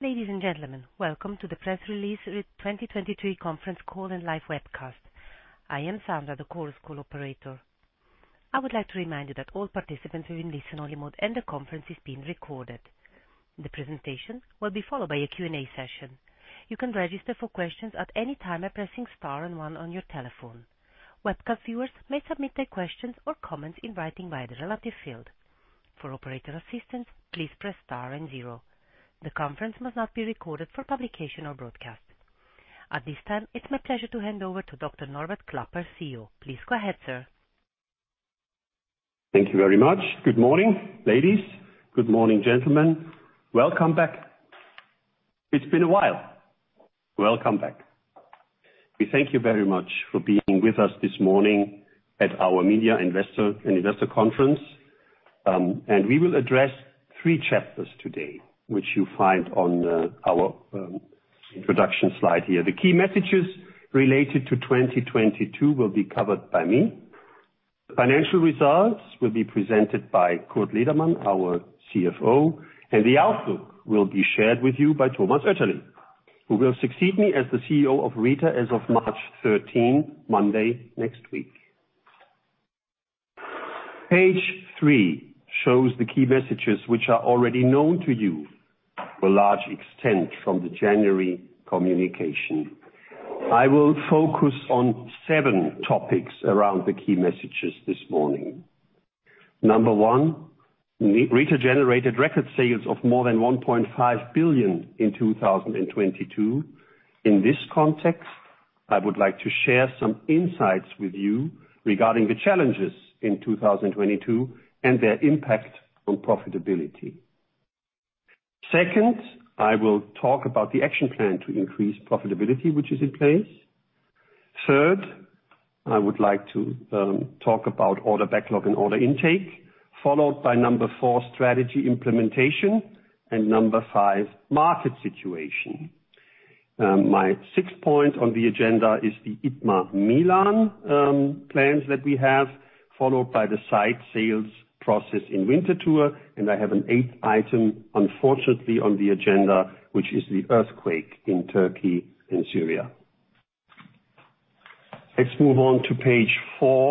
Ladies and gentlemen, welcome to the press release, the 2023 conference call and live webcast. I am Sandra, the conference call operator. I would like to remind you that all participants are in listen-only mode and the conference is being recorded. The presentation will be followed by a Q and A session. You can register for questions at any time by pressing star and one on your telephone. Webcast viewers may submit their questions or comments in writing via the relative field. For operator assistance, please press star and zero. The conference must not be recorded for publication or broadcast. At this time, it's my pleasure to hand over to Dr. Norbert Klapper, CEO. Please go ahead, sir. Thank you very much. Good morning, ladies. Good morning, gentlemen. Welcome back. It's been a while. Welcome back. We thank you very much for being with us this morning at our media investor and investor conference. We will address three chapters today, which you find on our introduction slide here. The key messages related to 2022 will be covered by me. Financial results will be presented by Kurt Ledermann, our CFO. The outlook will be shared with you by Thomas Oetterli, who will succeed me as the CEO of Rieter as of March 13, Monday, next week. Page three shows the key messages which are already known to you to a large extent from the January communication. I will focus on seven topics around the key messages this morning. Number one, Rieter generated record sales of more than 1.5 billion in 2022. In this context, I would like to share some insights with you regarding the challenges in 2022 and their impact on profitability. Second, I will talk about the action plan to increase profitability, which is in place. Third, I would like to talk about order backlog and order intake, followed by number four, strategy implementation, and number five, market situation. My sixth point on the ag nenda is the ITMA Milan plans that we have, followed by the site sales process in Winterthur. I have an 8th item, unfortunately, on the agenda, which is the earthquake in Turkey and Syria. Let's move on to page four,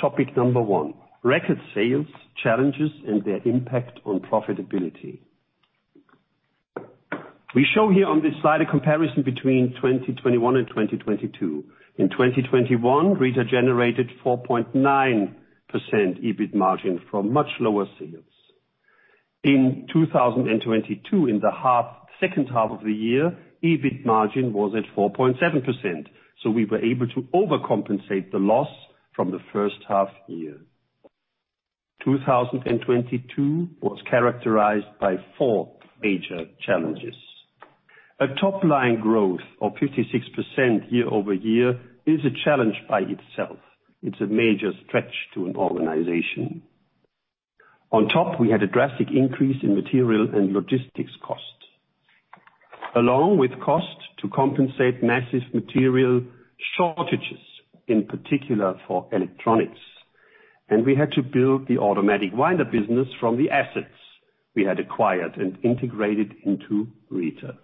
topic one, record sales, challenges, and their impact on profitability. We show here on this slide a comparison between 2021 and 2022. In 2021, Rieter generated 4.9% EBIT margin from much lower sales. In 2022, in the second half of the year, EBIT margin was at 4.7%, so we were able to overcompensate the loss from the first half year. 2022 was characterized by four major challenges. A top-line growth of 56% year-over-year is a challenge by itself. It's a major stretch to an organization. On top, we had a drastic increase in material and logistics costs. Along with costs to compensate massive material shortages, in particular for electronics. We had to build the automatic winder business from the assets we had acquired and integrated into Rieter.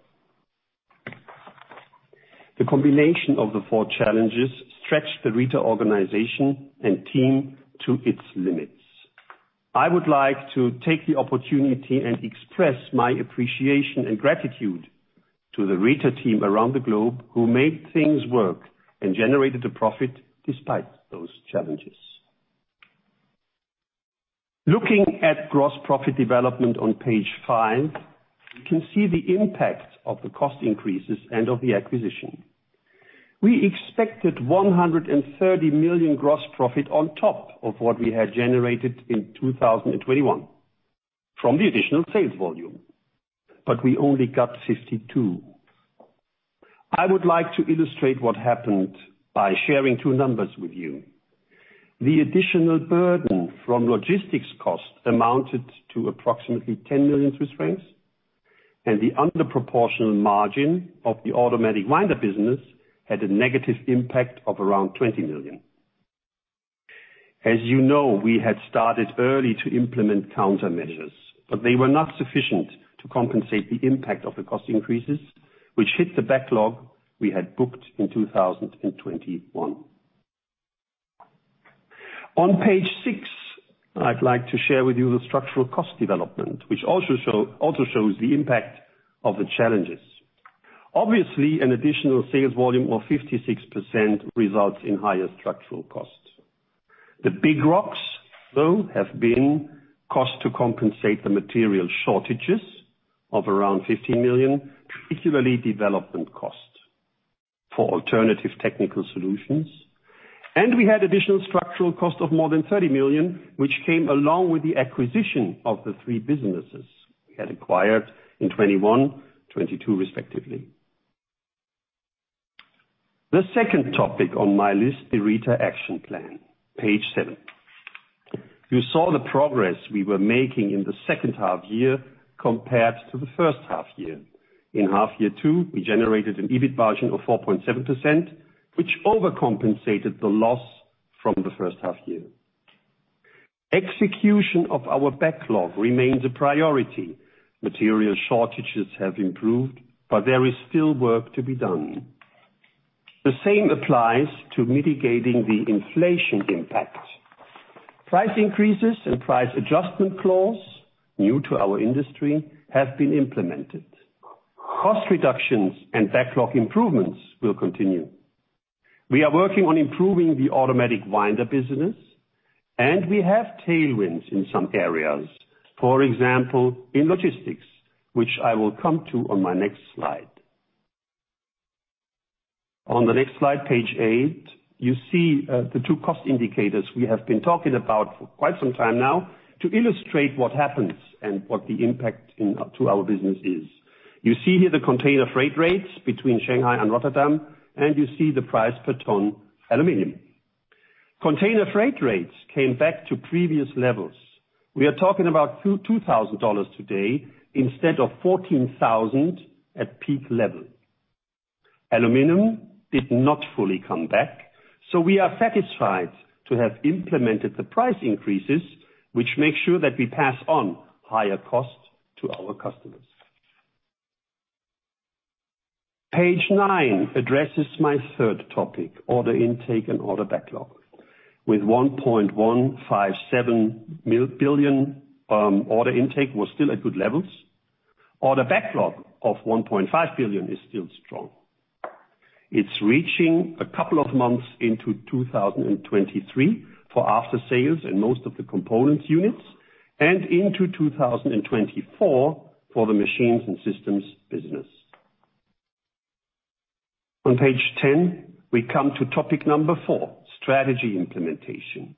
The combination of the four challenges stretched the Rieter organization and team to its limits. I would like to take the opportunity and express my appreciation and gratitude to the Rieter team around the globe who made things work and generated a profit despite those challenges. Looking at gross profit development on page five, you can see the impact of the cost increases and of the acquisition. We expected 130 million gross profit on top of what we had generated in 2021 from the additional sales volume, but we only got 52 million. I would like to illustrate what happened by sharing two numbers with you. The additional burden from logistics costs amounted to approximately 10 million Swiss francs, and the under proportional margin of the automatic winder business had a negative impact of around 20 million. As you know, we had started early to implement countermeasures. They were not sufficient to compensate the impact of the cost increases, which hit the backlog we had booked in 2021. On page six, I'd like to share with you the structural cost development, which also shows the impact of the challenges. Obviously, an additional sales volume of 56% results in higher structural costs. The big rocks, though, have been costs to compensate the material shortages of around 50 million, particularly development costs for alternative technical solutions. We had additional structural cost of more than 30 million, which came along with the acquisition of the three businesses we had acquired in 2021, 2022 respectively. The second topic on my list, the Rieter action plan, page seven. You saw the progress we were making in the second half year compared to the first half year. In half year two, we generated an EBIT margin of 4.7%, which overcompensated the loss from the first half year. Execution of our backlog remains a priority. Material shortages have improved, but there is still work to be done. The same applies to mitigating the inflation impact. Price increases and price adjustment clause, new to our industry, have been implemented. Cost reductions and backlog improvements will continue. We are working on improving the automatic winder business, and we have tailwinds in some areas, for example, in logistics, which I will come to on my next slide. On the next slide, page eight, you see the two cost indicators we have been talking about for quite some time now to illustrate what happens and what the impact to our business is. You see here the container freight rates between Shanghai and Rotterdam, you see the price per ton aluminum. Container freight rates came back to previous levels. We are talking about $2,000 today instead of $14,000 at peak level. Aluminum did not fully come back, we are satisfied to have implemented the price increases, which make sure that we pass on higher costs to our customers. Page nine addresses my third topic, order intake and order backlog. With 1.157 billion, order intake was still at good levels. Order backlog of 1.5 billion is still strong. It's reaching a couple of months into 2023 for after-sales in most of the components units and into 2024 for the machines and systems business. On page 10, we come to topic number four, strategy implementation.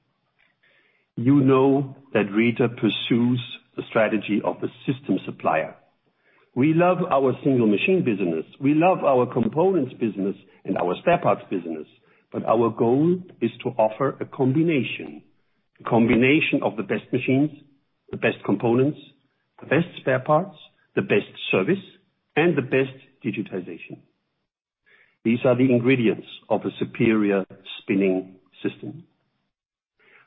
You know that Rieter pursues the strategy of a system supplier. We love our single machine business. We love our components business and our spare parts business, but our goal is to offer a combination of the best machines, the best components, the best spare parts, the best service, and the best digitization. These are the ingredients of a superior spinning system.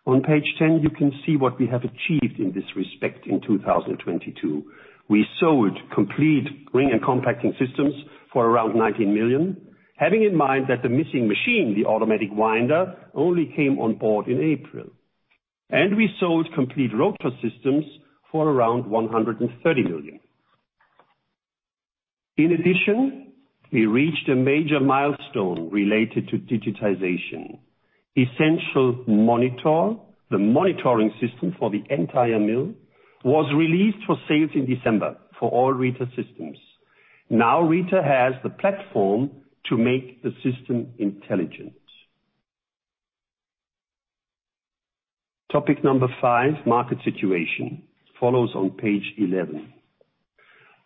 On page 10, you can see what we have achieved in this respect in 2022. We sold complete ring and compact-spinning systems for around 19 million, having in mind that the missing machine, the automatic winder, only came on board in April. We sold complete rotor systems for around 130 million. In addition, we reached a major milestone related to digitization. ESSENTIALmonitor, the monitoring system for the entire mill, was released for sale in December for all Rieter systems. Rieter has the platform to make the system intelligent. Topic number five, market situation, follows on page 11.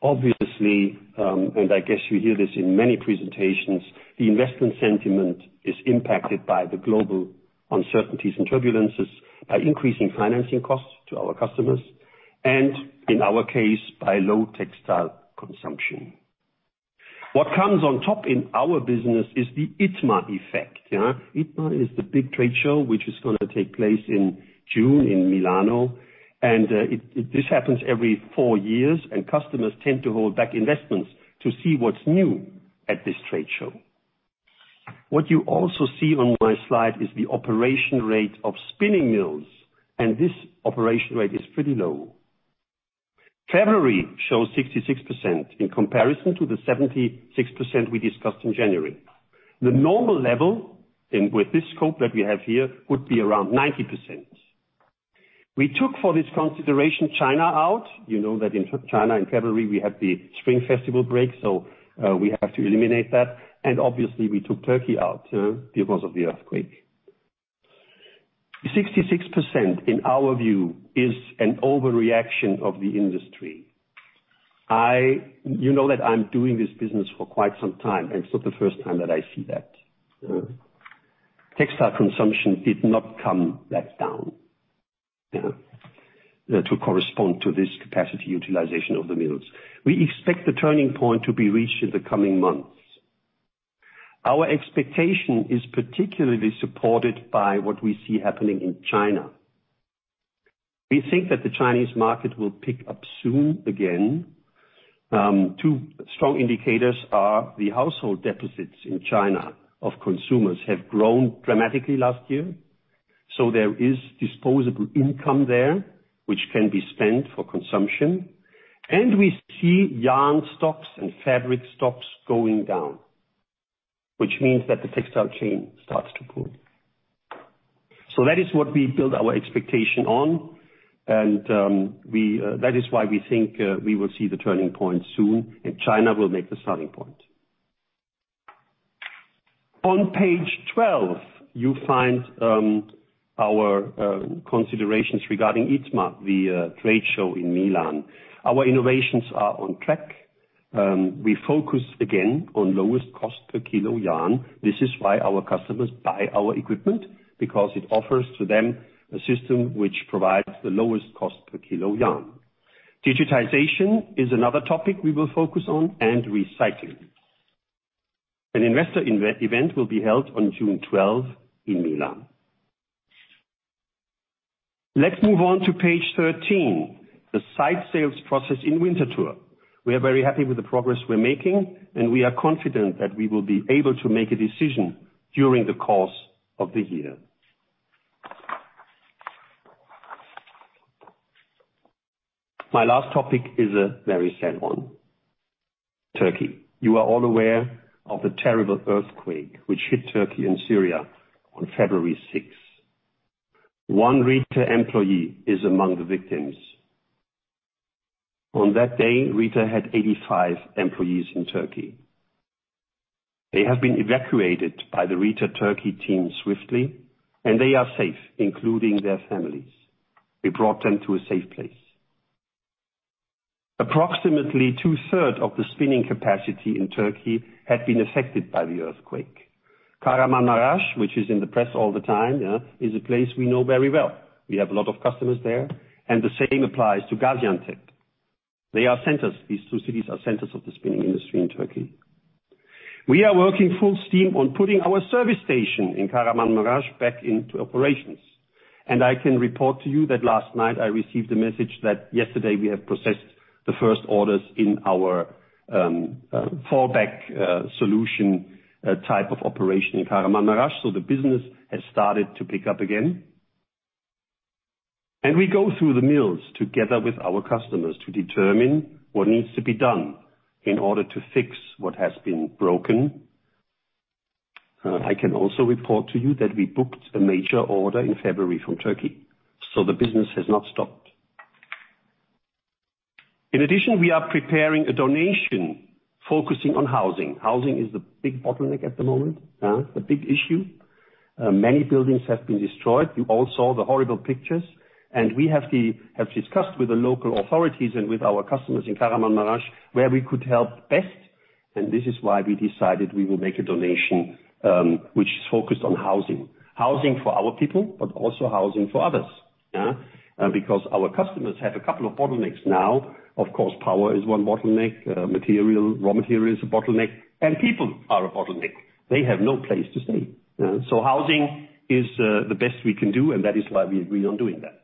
Obviously, and I guess you hear this in many presentations, the investment sentiment is impacted by the global uncertainties and turbulences by increasing financing costs to our customers, and in our case, by low textile consumption. What comes on top in our business is the ITMA effect, yeah? ITMA is the big trade show, which is gonna take place in June in Milan, and this happens every four years, and customers tend to hold back investments to see what's new at this trade show. What you also see on my slide is the operation rate of spinning mills. This operation rate is pretty low. February shows 66% in comparison to the 76% we discussed in January. The normal level in, with this scope that we have here, would be around 90%. We took for this consideration China out. You know that in China in February, we had the Spring Festival break. We have to eliminate that. Obviously we took Turkey out too because of the earthquake. 66%, in our view, is an overreaction of the industry. I you know that I'm doing this business for quite some time. It's not the first time that I see that. Textile consumption did not come that down to correspond to this capacity utilization of the mills. We expect the turning point to be reached in the coming months. Our expectation is particularly supported by what we see happening in China. We think that the Chinese market will pick up soon again. Two strong indicators are the household deficits in China of consumers have grown dramatically last year, there is disposable income there, which can be spent for consumption. We see yarn stocks and fabric stocks going down, which means that the textile chain starts to pull. That is what we build our expectation on. That is why we think we will see the turning point soon, and China will make the starting point. On page 12, you find our considerations regarding ITMA, the trade show in Milan. Our innovations are on track. We focus again on lowest cost per kilo yarn. This is why our customers buy our equipment because it offers to them a system which provides the lowest cost per kilo yarn. Digitization is another topic we will focus on and recycling. An investor event will be held on June 12th in Milan. Let's move on to page 13, the site sales process in Winterthur. We are very happy with the progress we're making, and we are confident that we will be able to make a decision during the course of the year. My last topic is a very sad one. Turkey. You are all aware of the terrible earthquake which hit Turkey and Syria on February 6th. One Rieter employee is among the victims. On that day, Rieter had 85 employees in Turkey. They have been evacuated by the Rieter Turkey team swiftly, and they are safe, including their families. We brought them to a safe place. Approximately two-third of the spinning capacity in Turkey had been affected by the earthquake. Kahramanmaraş, which is in the press all the time, is a place we know very well. We have a lot of customers there, and the same applies to Gaziantep. They are centers, these two cities are centers of the spinning industry in Turkey. We are working full steam on putting our service station in Kahramanmaraş back into operations. I can report to you that last night I received a message that yesterday we have processed the first orders in our fallback solution type of operation in Kahramanmaraş, so the business has started to pick up again. We go through the mills together with our customers to determine what needs to be done in order to fix what has been broken. I can also report to you that we booked a major order in February from Turkey. The business has not stopped. In addition, we are preparing a donation focusing on housing. Housing is the big bottleneck at the moment, the big issue. Many buildings have been destroyed. You all saw the horrible pictures. We have discussed with the local authorities and with our customers in Kahramanmaraş, where we could help best. This is why we decided we will make a donation, which is focused on housing. Housing for our people, but also housing for others, yeah. Because our customers have a couple of bottlenecks now. Of course, power is one bottleneck, material, raw material is a bottleneck, and people are a bottleneck. They have no place to stay. Housing is the best we can do, and that is why we agreed on doing that.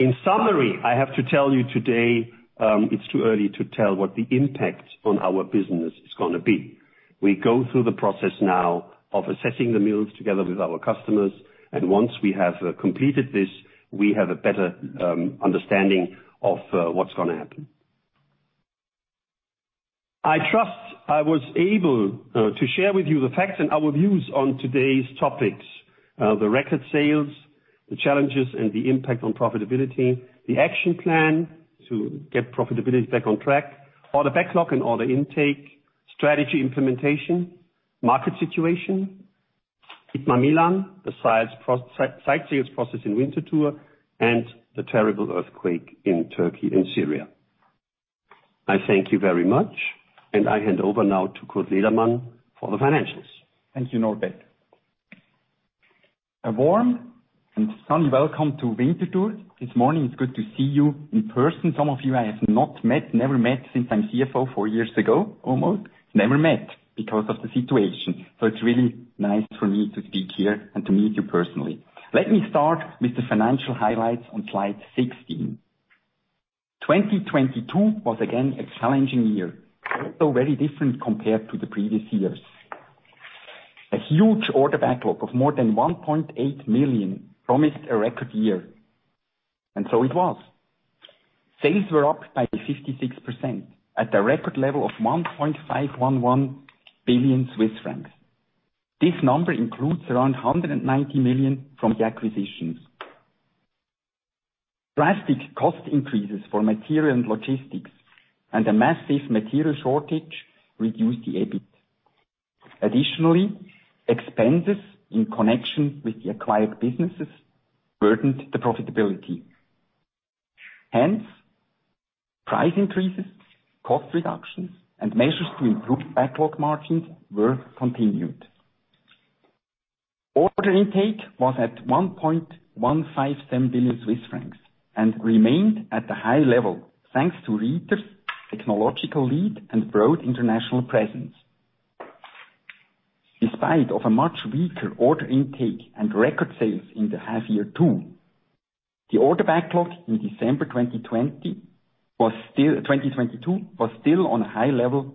In summary, I have to tell you today, it's too early to tell what the impact on our business is gonna be. We go through the process now of assessing the mills together with our customers, and once we have completed this, we have a better understanding of what's gonna happen. I trust I was able to share with you the facts and our views on today's topics. The record sales, the challenges and the impact on profitability, the action plan to get profitability back on track, order backlog and order intake, strategy implementation, market situation, ITMA Milan, the site sales process in Winterthur, and the terrible earthquake in Turkey and Syria. I thank you very much, and I hand over now to Kurt Ledermann for the financials. Thank you, Norbert. A warm and sunny welcome to Winterthur. This morning it's good to see you in person. Some of you I have not met, never met since I'm CFO four years ago, almost. Never met because of the situation. It's really nice for me to speak here and to meet you personally. Let me start with the financial highlights on slide 16. 2022 was again a challenging year, also very different compared to the previous years. A huge order backlog of more than 1.8 million promised a record year, and so it was. Sales were up by 56% at the record level of 1.511 billion Swiss francs. This number includes around 190 million from the acquisitions. Drastic cost increases for material and logistics and a massive material shortage reduced the EBIT. Additionally, expenses in connection with the acquired businesses burdened the profitability. Hence, price increases, cost reductions, and measures to improve backlog margins were continued. Order intake was at 1.157 billion Swiss francs and remained at the high level, thanks to Rieter's technological lead and broad international presence. Despite of a much weaker order intake and record sales in the half year two, the order backlog in December 2022 was still on a high level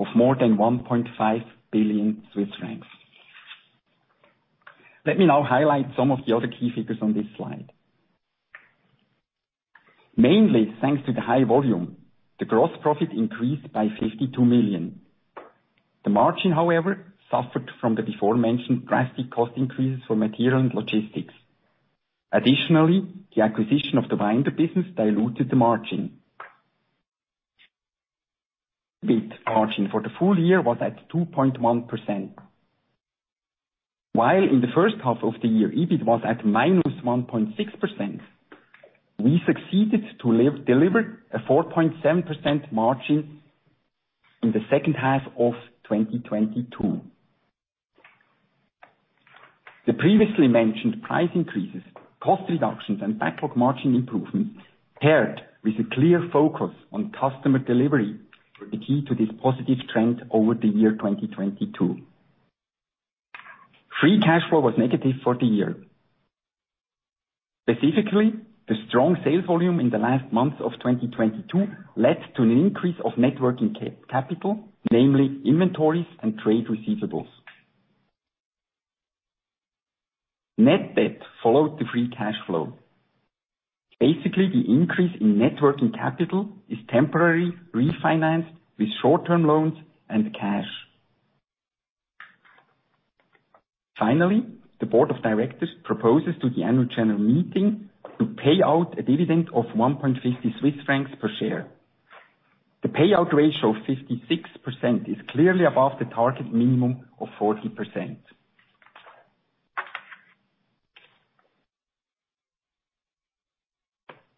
of more than 1.5 billion Swiss francs. Let me now highlight some of the other key figures on this slide. Mainly, thanks to the high volume, the gross profit increased by 52 million. The margin, however, suffered from the beforementioned drastic cost increases for material and logistics. Additionally, the acquisition of the winder business diluted the margin. EBIT margin for the full year was at 2.1%. While in the first half of the year, EBIT was at -1.6%, we succeeded to deliver a 4.7% margin in the second half of 2022. The previously mentioned price increases, cost reductions, and backlog margin improvements, paired with a clear focus on customer delivery, were the key to this positive trend over the year 2022. Free cash flow was negative for the year. Specifically, the strong sales volume in the last months of 2022 led to an increase of net working capital, namely inventories and trade receivables. Net debt followed the free cash flow. Basically, the increase in net working capital is temporarily refinanced with short-term loans and cash. Finally, the board of directors proposes to the annual general meeting to pay out a dividend of 1.50 Swiss francs per share. The payout ratio of 56% is clearly above the target minimum of 40%.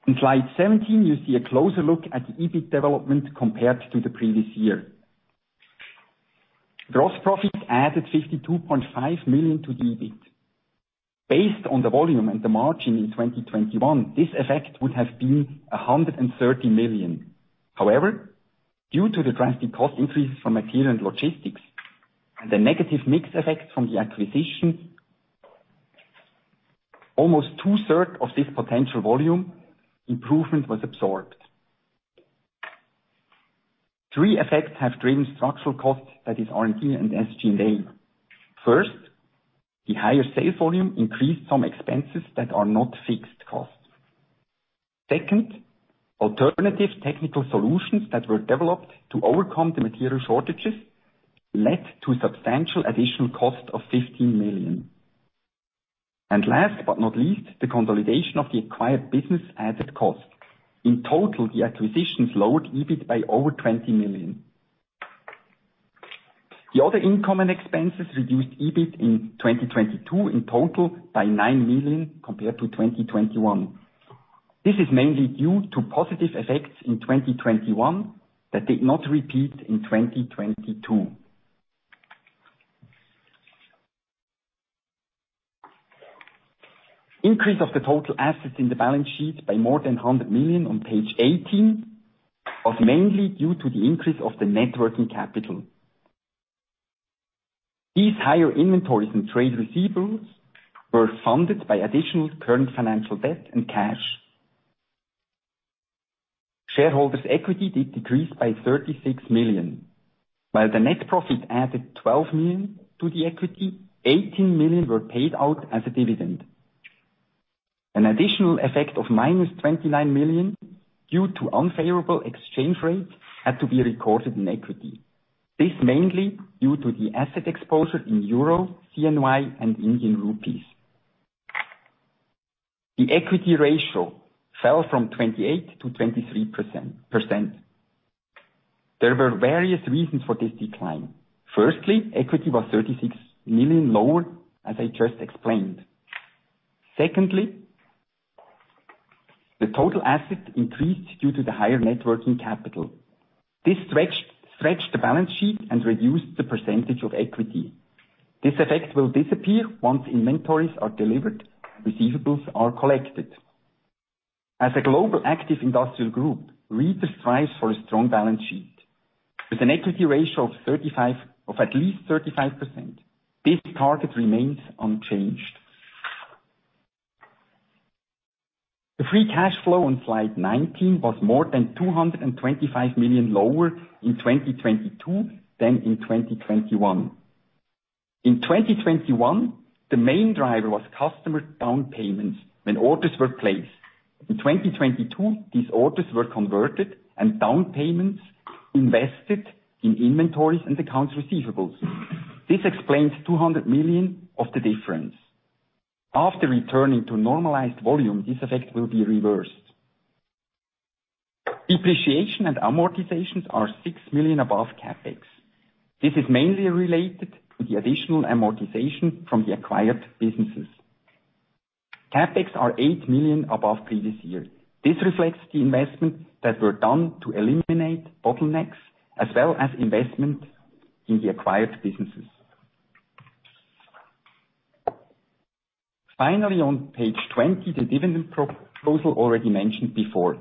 In slide 17, you see a closer look at the EBIT development compared to the previous year. Gross profit added 52.5 million to the EBIT. Based on the volume and the margin in 2021, this effect would have been 130 million. However, due to the drastic cost increase from material and logistics, and the negative mix effect from the acquisition, almost two-thirds of this potential volume improvement was absorbed. Three effects have driven structural costs, that is R&D and SG&A. First, the higher sales volume increased some expenses that are not fixed costs. Alternative technical solutions that were developed to overcome the material shortages led to substantial additional cost of 15 million. Last but not least, the consolidation of the acquired business added cost. In total, the acquisitions lowered EBIT by over 20 million. The other income and expenses reduced EBIT in 2022 in total by 9 million compared to 2021. This is mainly due to positive effects in 2021 that did not repeat in 2022. Increase of the total assets in the balance sheet by more than 100 million on page 18 was mainly due to the increase of the net working capital. These higher inventories and trade receivables were funded by additional current financial debt and cash. Shareholders equity did decrease by 36 million. While the net profit added 12 million to the equity, 18 million were paid out as a dividend. An additional effect of minus 29 million due to unfavorable exchange rates had to be recorded in equity. Mainly due to the asset exposure in EUR, CNY, and INR. The equity ratio fell from 28% to 23%. There were various reasons for this decline. Firstly, equity was 36 million lower, as I just explained. Secondly, the total asset increased due to the higher net working capital. Stretched the balance sheet and reduced the percentage of equity. Effect will disappear once inventories are delivered, receivables are collected. As a global active industrial group, Rieter strives for a strong balance sheet. With an equity ratio of at least 35%, this target remains unchanged. The free cash flow on slide 19 was more than 225 million lower in 2022 than in 2021. In 2021, the main driver was customer down payments when orders were placed. In 2022, these orders were converted and down payments invested in inventories and accounts receivables. This explains 200 million of the difference. After returning to normalized volume, this effect will be reversed. Depreciation and amortizations are 6 million above CapEx. This is mainly related to the additional amortization from the acquired businesses. CapEx are 8 million above previous year. This reflects the investments that were done to eliminate bottlenecks, as well as investment in the acquired businesses. On page 20, the dividend pro-proposal already mentioned before.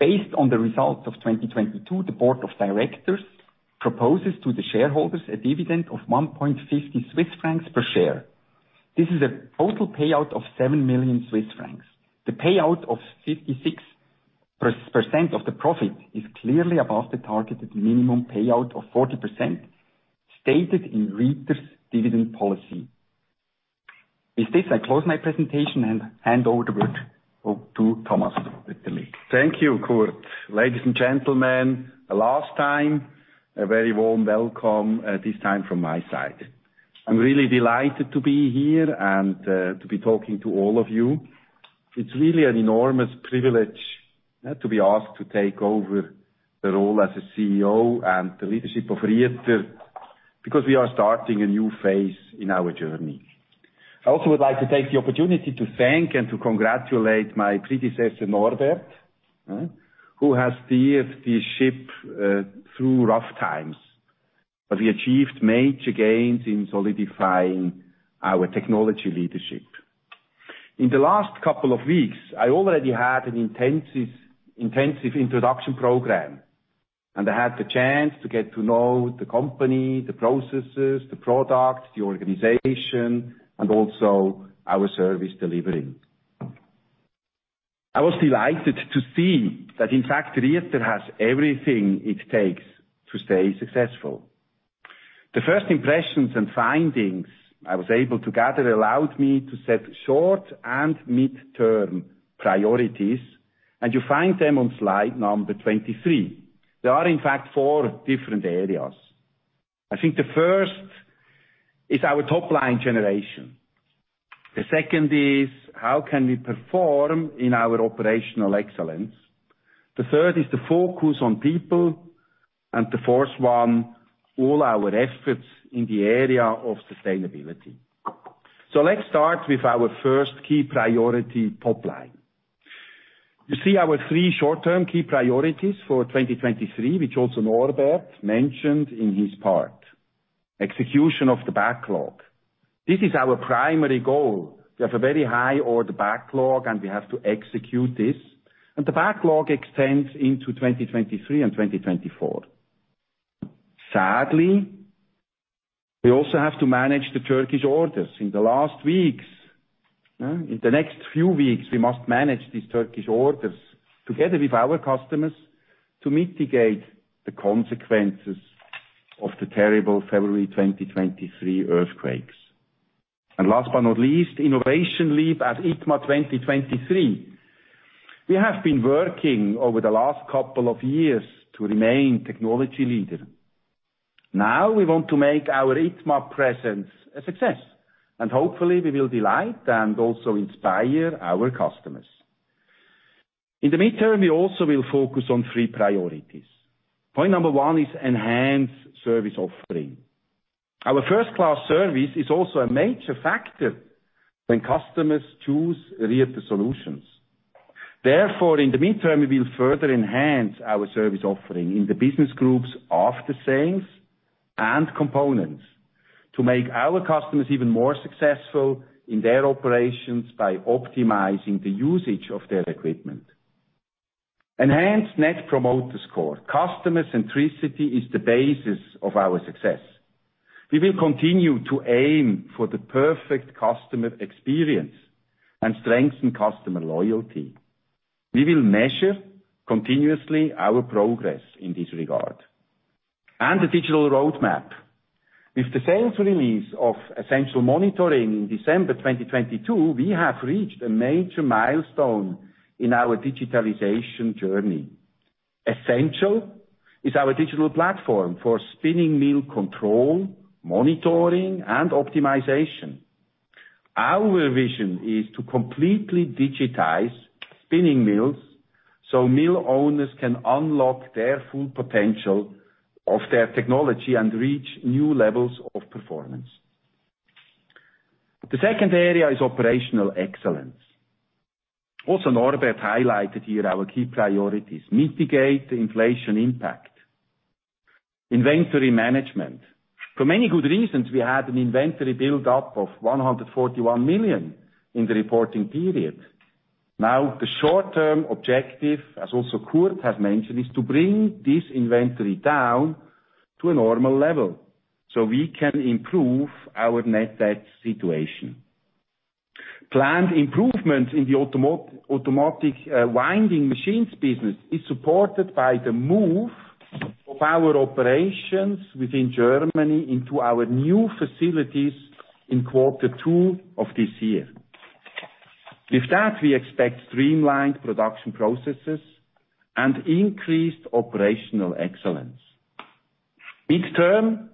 Based on the results of 2022, the board of directors proposes to the shareholders a dividend of 1.50 Swiss francs per share. This is a total payout of 7 million Swiss francs. The payout of 56% of the profit is clearly above the targeted minimum payout of 40% stated in Rieter's dividend policy. With this, I close my presentation and hand over the word to Thomas Oetterli. Thank you, Kurt. Ladies and gentlemen, a last time, a very warm welcome, this time from my side. I'm really delighted to be here and to be talking to all of you. It's really an enormous privilege to be asked to take over the role as a CEO and the leadership of Rieter. We are starting a new phase in our journey. I also would like to take the opportunity to thank and to congratulate my predecessor, Dr. Norbert Klapper, who has steered the ship through rough times. We achieved major gains in solidifying our technology leadership. In the last couple of weeks, I already had an intensive introduction program, and I had the chance to get to know the company, the processes, the product, the organization, and also our service delivery. I was delighted to see that, in fact, Rieter has everything it takes to stay successful. The first impressions and findings I was able to gather allowed me to set short and mid term priorities. You find them on slide number 23. There are, in fact, four different areas. I think the first is our top line generation. The second is, how can we perform in our operational excellence? The third is the focus on people. The fourth one, all our efforts in the area of sustainability. Let's start with our first key priority top line. You see our three short-term key priorities for 2023, which also Norbert mentioned in his part. Execution of the backlog. This is our primary goal. We have a very high order backlog, tnd we have to execute this. The backlog extends into 2023 and 2024. Sadly, we also have to manage the Turkish orders. In the last weeks, in the next few weeks, we must manage these Turkish orders together with our customers to mitigate the consequences of the terrible February 2023 earthquakes. Last but not least, innovation lead at ITMA 2023. We have been working over the last couple of years to remain technology leader. Now we want to make our ITMA presence a success, and hopefully, we will delight and also inspire our customers. In the midterm, we also will focus on three priorities. Point number one is enhanced service offering. Our first-class service is also a major factor when customers choose Rieter solutions. In the midterm, we will further enhance our service offering in the business groups after sales and components to make our customers even more successful in their operations by optimizing the usage of their equipment. Enhanced Net Promoter Score. Customer centricity is the basis of our success. We will continue to aim for the perfect customer experience and strengthen customer loyalty. We will measure continuously our progress in this regard. The digital roadmap. With the sales release of ESSENTIALmonitor in December 2022, we have reached a major milestone in our digitalization journey. ESSENTIAL is our digital platform for spinning mill control, monitoring, and optimization. Our vision is to completely digitize spinning mills, so mill owners can unlock their full potential of their technology and reach new levels of performance. The second area is operational excellence. Norbert highlighted here our key priorities, mitigate the inflation impact. Inventory management. For many good reasons, we had an inventory build-up of 141 million in the reporting period. Now, the short term objective, as also Kurt has mentioned, is to bring this inventory down to a normal level so we can improve our net debt situation. Planned improvements in the automatic winding machines business is supported by the move of our operations within Germany into our new facilities in Q2 of this year. With that, we expect streamlined production processes and increased operational excellence. Midterm,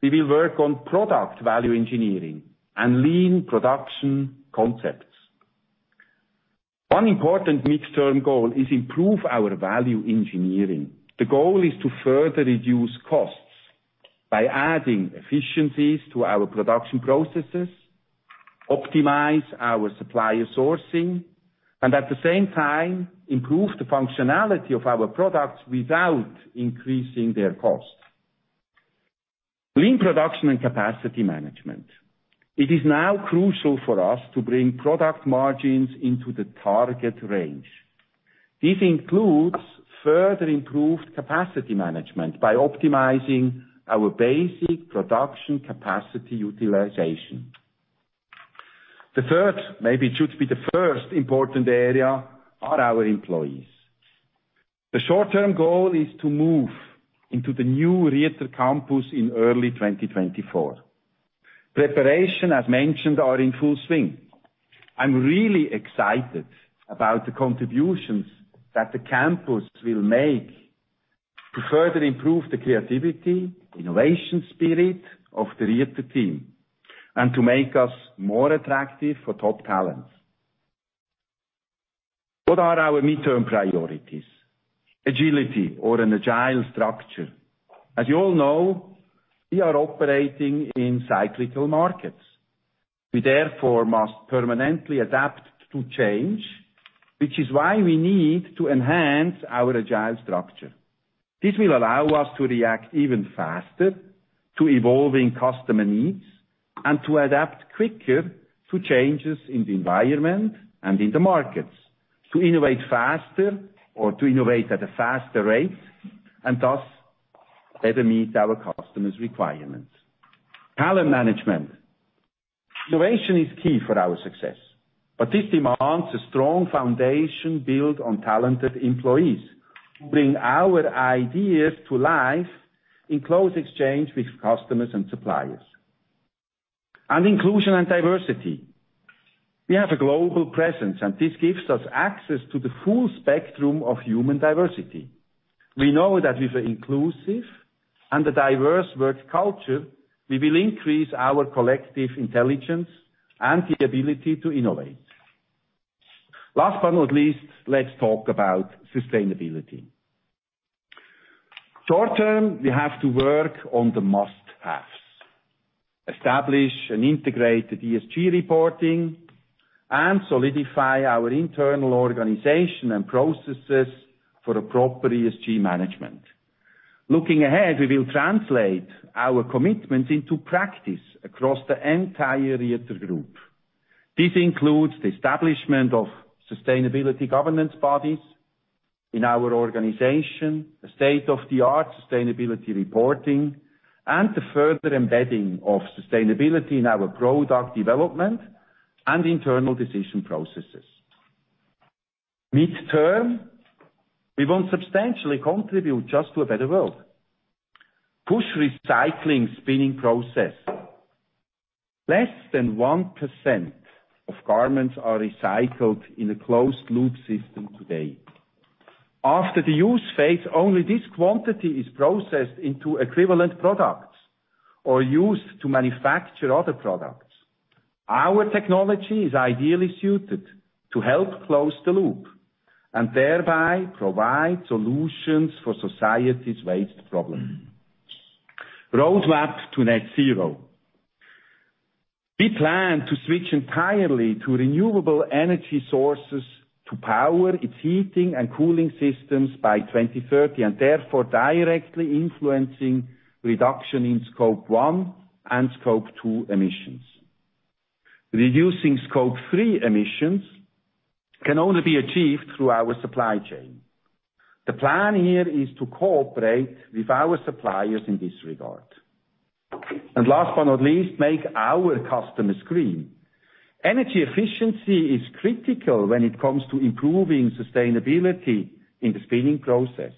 we will work on product value engineering and lean production concepts. One important midterm goal is improve our value engineering. The goal is to further reduce costs by adding efficiencies to our production processes, optimize our supplier sourcing, and at the same time, improve the functionality of our products without increasing their cost. Lean production and capacity management. It is now crucial for us to bring product margins into the target range. This includes further improved capacity management by optimizing our basic production capacity utilization. The third, maybe it should be the first important area, are our employees. The short-term goal is to move into the new Rieter campus in early 2024. Preparation, as mentioned, are in full swing. I'm really excited about the contributions that the campus will make to further improve the creativity, innovation spirit of the Rieter team and to make us more attractive for top talent. What are our midterm priorities? Agility or an agile structure. As you all know, we are operating in cyclical markets. We therefore must permanently adapt to change, which is why we need to enhance our agile structure. This will allow us to react even faster to evolving customer needs and to adapt quicker to changes in the environment and in the markets, to innovate faster or to innovate at a faster rate, and thus better meet our customers' requirements. Talent management. Innovation is key for our success. This demands a strong foundation built on talented employees who bring our ideas to life in close exchange with customers and suppliers. Inclusion and diversity. We have a global presence, and this gives us access to the full spectrum of human diversity. We know that with an inclusive and a diverse work culture, we will increase our collective intelligence and the ability to innovate. Last but not least, let's talk about sustainability. Short term, we have to work on the must-haves, establish an integrated ESG reporting, and solidify our internal organization and processes for a proper ESG management. Looking ahead, we will translate our commitments into practice across the entire Rieter Group. This includes the establishment of sustainability governance bodies in our organization, a state-of-the-art sustainability reporting, and the further embedding of sustainability in our product development and internal decision processes. Midterm, we won't substantially contribute just to a better world. Push recycling spinning process. Less than 1% of garments are recycled in a closed-loop system today. After the use phase, only this quantity is processed into equivalent products or used to manufacture other products. Our technology is ideally suited to help close the loop and thereby provide solutions for society's waste problem. Roadmap to net zero. We plan to switch entirely to renewable energy sources to power its heating and cooling systems by 2030, and therefore directly influencing reduction in Scope 1 and Scope 2 emissions. Reducing Scope 3 emissions can only be achieved through our supply chain. The plan here is to cooperate with our suppliers in this regard. Last but not least, make our customers green. Energy efficiency is critical when it comes to improving sustainability in the spinning process.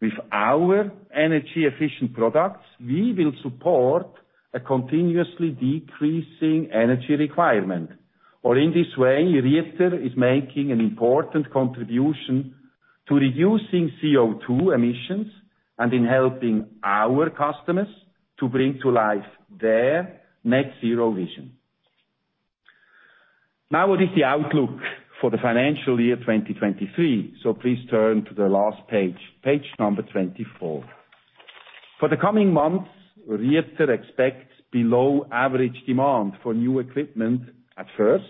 With our energy-efficient products, we will support a continuously decreasing energy requirement, or in this way, Rieter is making an important contribution to reducing CO₂ emissions and in helping our customers to bring to life their net zero vision. What is the outlook for the financial year 2023? Please turn to the last page number 24. For the coming months, Rieter expects below average demand for new equipment at first,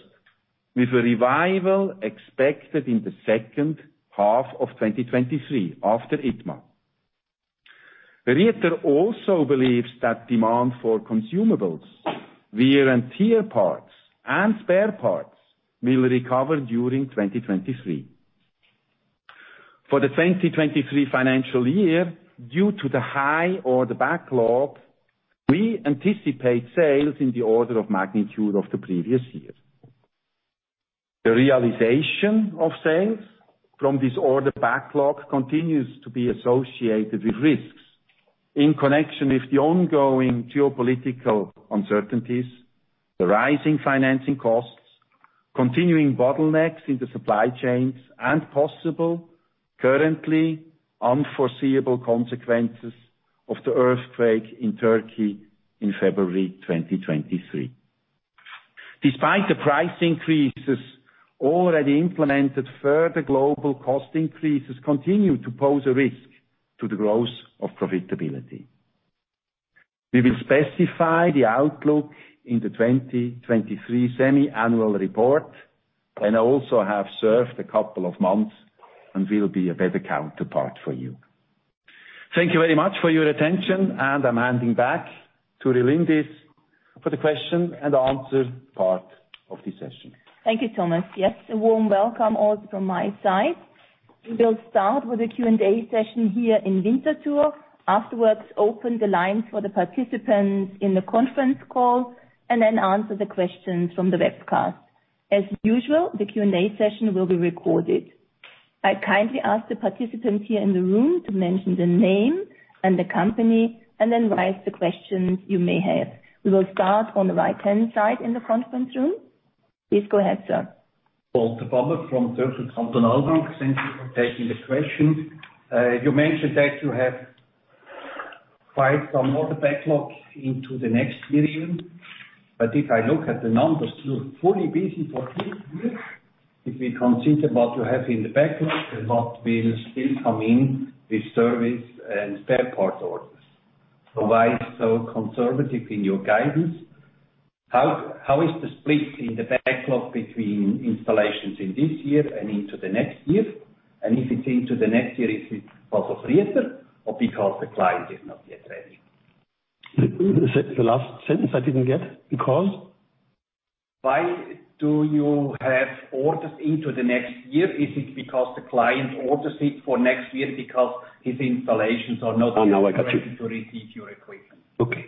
with a revival expected in the second half of 2023 after ITMA. Rieter also believes that demand for consumables, wear and tear parts, and spare parts will recover during 2023. For the 2023 financial year, due to the high order backlog, we anticipate sales in the order of magnitude of the previous year. The realization of sales from this order backlog continues to be associated with risks in connection with the ongoing geopolitical uncertainties, the rising financing costs, continuing bottlenecks in the supply chains, and possible currently unforeseeable consequences of the earthquake in Turkey in February 2023. Despite the price increases already implemented, further global cost increases continue to pose a risk to the growth of profitability. We will specify the outlook in the 2023 semi-annual report. I also have served a couple of months and will be a better counterpart for you. Thank you very much for your attention, and I'm handing back to Relindis for the question-and-answer part of the session. Thank you, Thomas. Yes, a warm welcome also from my side. We will start with the Q and A session here in Winterthur, afterwards open the lines for the participants in the conference call and then answer the questions from the webcast. As usual, the Q and A session will be recorded. I kindly ask the participants here in the room to mention their name and the company and then raise the questions you may have. We will start on the right-hand side in the conference room. Please go ahead, sir. Paul Taaffe from Vontobel. Thank you for taking this question. you mentioned that you have quite some order backlog into the next million. If I look at the numbers, you're fully busy for three years. If we consider what you have in the backlog and what will still come in with service and spare parts orders. Why so conservative in your guidance? How is the split in the backlog between installations in this year and into the next year? If it's into the next year, is it because of Rieter or because the client is not yet ready? The last sentence I didn't get. Because? Why do you have orders into the next year? Is it because the client orders it for next year because his installations are not- Oh, now I got you. Ready to receive your equipment. Okay.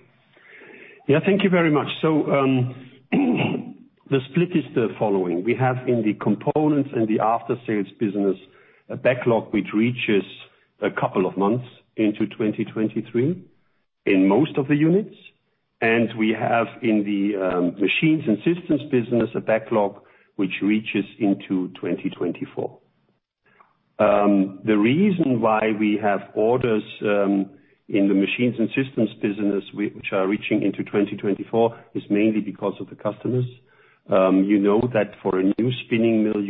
Yeah, thank you very much. The split is the following: We have in the components and the after-sales business, a backlog which reaches a couple of months into 2023 in most of the units. We have in the machines and systems business, a backlog which reaches into 2024. The reason why we have orders in the machines and systems business which are reaching into 2024, is mainly because of the customers. You know that for a new spinning mill,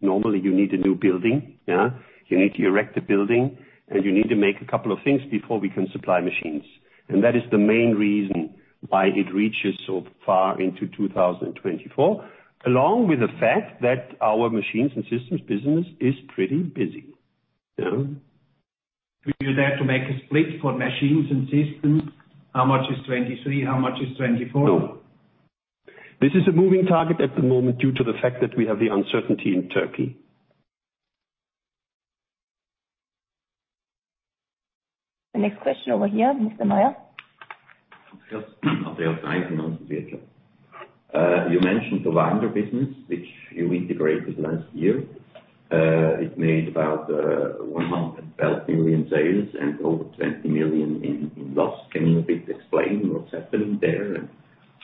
normally, you need a new building, yeah. You need to erect a building, you need to make a couple of things before we can supply machines. That is the main reason why it reaches so far into 2024, along with the fact that our machines and systems business is pretty busy. Yeah. Do you dare to make a split for machines and systems? How much is 2023, how much is 2024? No. This is a moving target at the moment due to the fact that we have the uncertainty in Turkey. The next question over here, Mr. Meyer. You mentioned the Winder business, which you integrated last year. It made about 112 million sales and over 20 million in loss. Can you a bit explain what's happening there and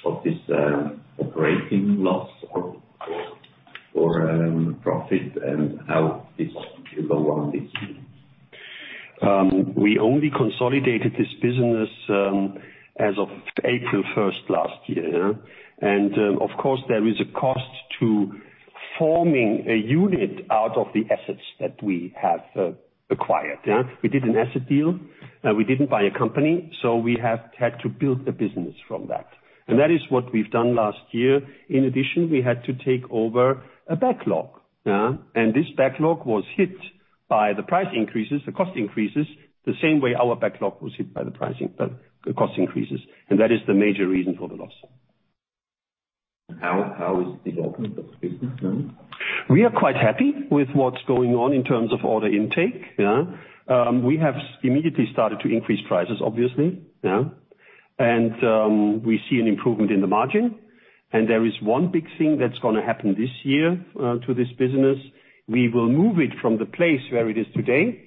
of this operating loss or profit and how this will go on this year? We only consolidated this business as of April first last year. Of course, there is a cost to forming a unit out of the assets that we have acquired. We did an asset deal. We didn't buy a company, so we have had to build the business from that. That is what we've done last year. In addition, we had to take over a backlog. This backlog was hit by the price increases, the cost increases, the same way our backlog was hit by the pricing, the cost increases. That is the major reason for the loss. How is the development of the business now? We are quite happy with what's going on in terms of order intake, yeah. We have immediately started to increase prices, obviously, yeah. We see an improvement in the margin. There is one big thing that's gonna happen this year to this business. We will move it from the place where it is today,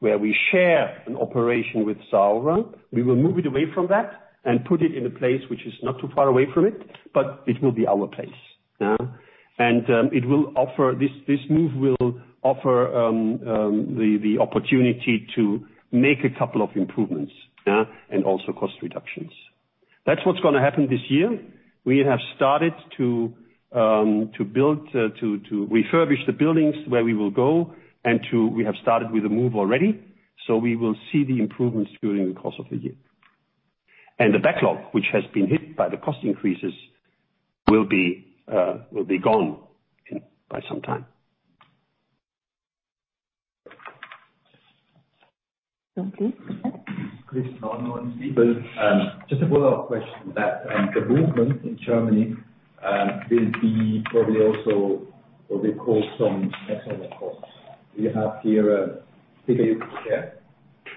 where we share an operation with Saurer. We will move it away from that and put it in a place which is not too far away from it, but it will be our place. Yeah. This move will offer the opportunity to make a couple of improvements, yeah, and also cost reductions. That's what's gonna happen this year. We have started to build, to refurbish the buildings where we will go. We have started with the move already, so we will see the improvements during the course of the year. The backlog, which has been hit by the cost increases, will be gone in, by some time. Okay. Just to follow up question that, the movement in Germany, will be probably also what we call some special costs. Do you have here a figure you can share?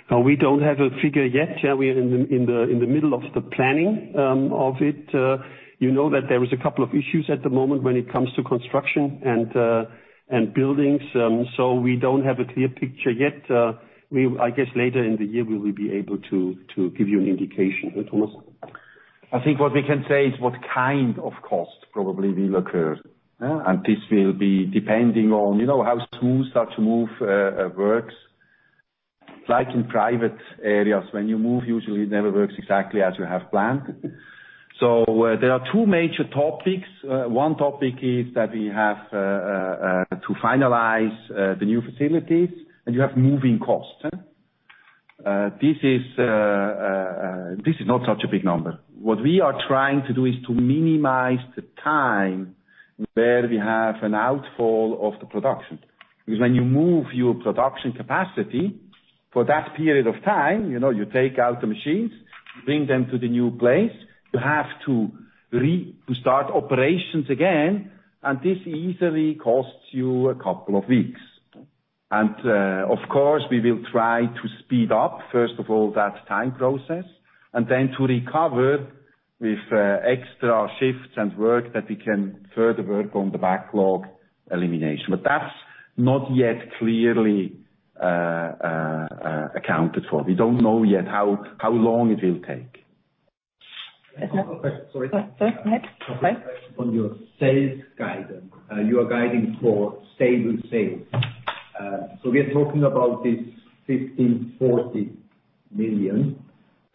No, we don't have a figure yet. We are in the middle of the planning of it. You know that there is a couple of issues at the moment when it comes to construction and buildings, so we don't have a clear picture yet. I guess later in the year, we will be able to give you an indication. Hey, Thomas. I think what we can say is what kind of cost probably will occur. Yeah. This will be depending on, you know, how smooth that move works. Like in private areas, when you move, usually it never works exactly as you have planned. There are two major topics. One topic is that we have to finalize the new facilities, and you have moving costs. This is not such a big number. What we are trying to do is to minimize the time where we have an outfall of the production. When you move your production capacity, for that period of time, you know, you take out the machines, bring them to the new place, you have to start operations again, and this easily costs you a couple of weeks. Of course, we will try to speed up, first of all, that time process, and then to recover with extra shifts and work that we can further work on the backlog elimination. That's not yet clearly accounted for. We don't know yet how long it will take. Okay. Sorry. Sorry. On your sales guidance, you are guiding for stable sales. We are talking about this 1,540 million.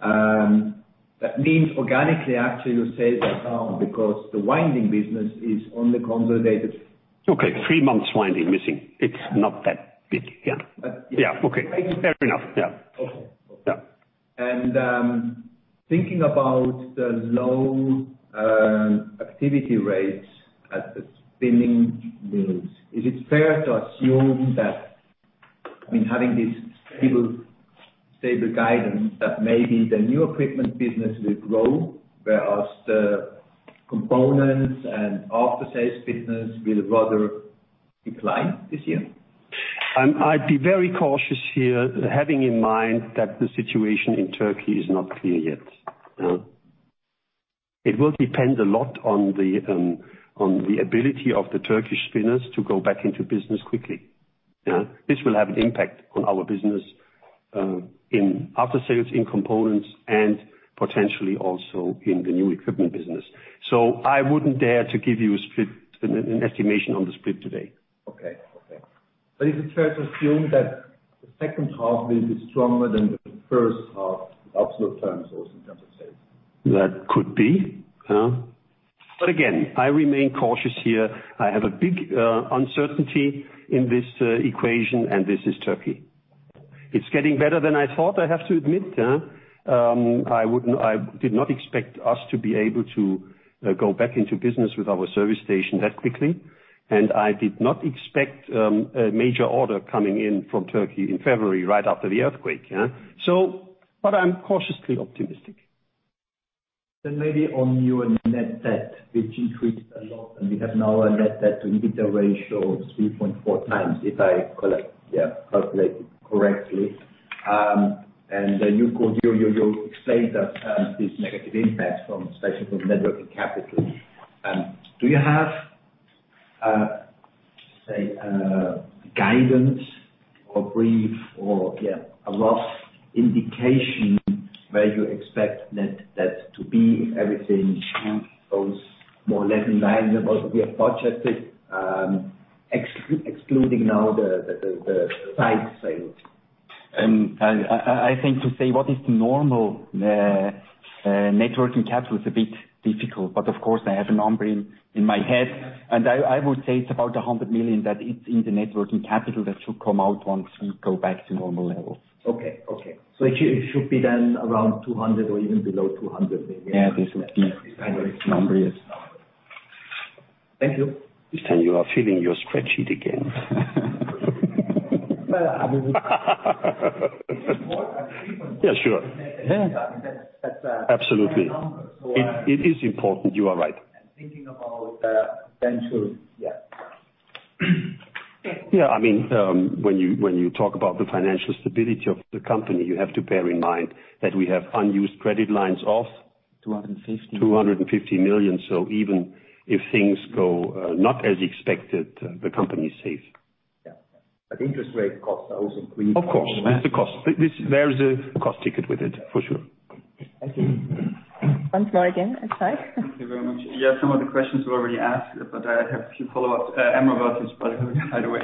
That means organically, actually your sales are down because the winding business is only consolidated. Okay. Three months winding missing. It's not that big. Yeah. Yeah. Okay. Fair enough. Yeah. Okay. Yeah. Thinking about the low activity rates at the spinning mills, is it fair to assume that, I mean, having this stable guidance, that maybe the new equipment business will grow, whereas the components and after sales business will rather decline this year? I'd be very cautious here, having in mind that the situation in Turkey is not clear yet. It will depend a lot on the ability of the Turkish spinners to go back into business quickly. Yeah. This will have an impact on our business, in after sales, in components, and potentially also in the new equipment business. I wouldn't dare to give you an estimation on the split today. Okay. Okay. Is it fair to assume that the second half will be stronger than the first half in absolute terms, also in terms of sales? That could be. Again, I remain cautious here. I have a big uncertainty in this equation, and this is Turkey. It's getting better than I thought, I have to admit. I did not expect us to be able to go back into business with our service station that quickly, and I did not expect a major order coming in from Turkey in February right after the earthquake, yeah. I'm cautiously optimistic. Maybe on your net debt, which increased a lot, and you have now a net debt to EBITDA ratio of 3.4 times, if I calculate correctly. You explained that this negative impact from cyclical net working capital. Do you have, say, guidance or brief or a rough indication where you expect net debt to be if everything goes more or less in line than what we have budgeted, excluding now the side sales? I think to say what is normal, net working capital is a bit difficult, but of course I have a number in my head. I would say it's about 100 million that it's in the net working capital that should come out once we go back to normal levels. Okay. Okay. It should be then around 200 or even below 200 maybe. Yeah. This would be number, yes. Thank you. Christian, you are filling your spreadsheet again. Well, I mean, it's important. Yeah, sure. Yeah. That's. Absolutely. fair numbers. It is important. You are right. I'm thinking about, ventures. Yeah. Yeah. I mean, when you talk about the financial stability of the company, you have to bear in mind that we have unused credit lines. 250. 250 million. Even if things go not as expected, the company is safe. Yeah. Interest rate costs are also increasing. Of course. There's a cost. There is a cost ticket with it, for sure. Thank you. Once more again. Sorry. Thank you very much. Yeah, some of the questions were already asked, but I have a few follow-ups. Amir Bhattacharyya by the way.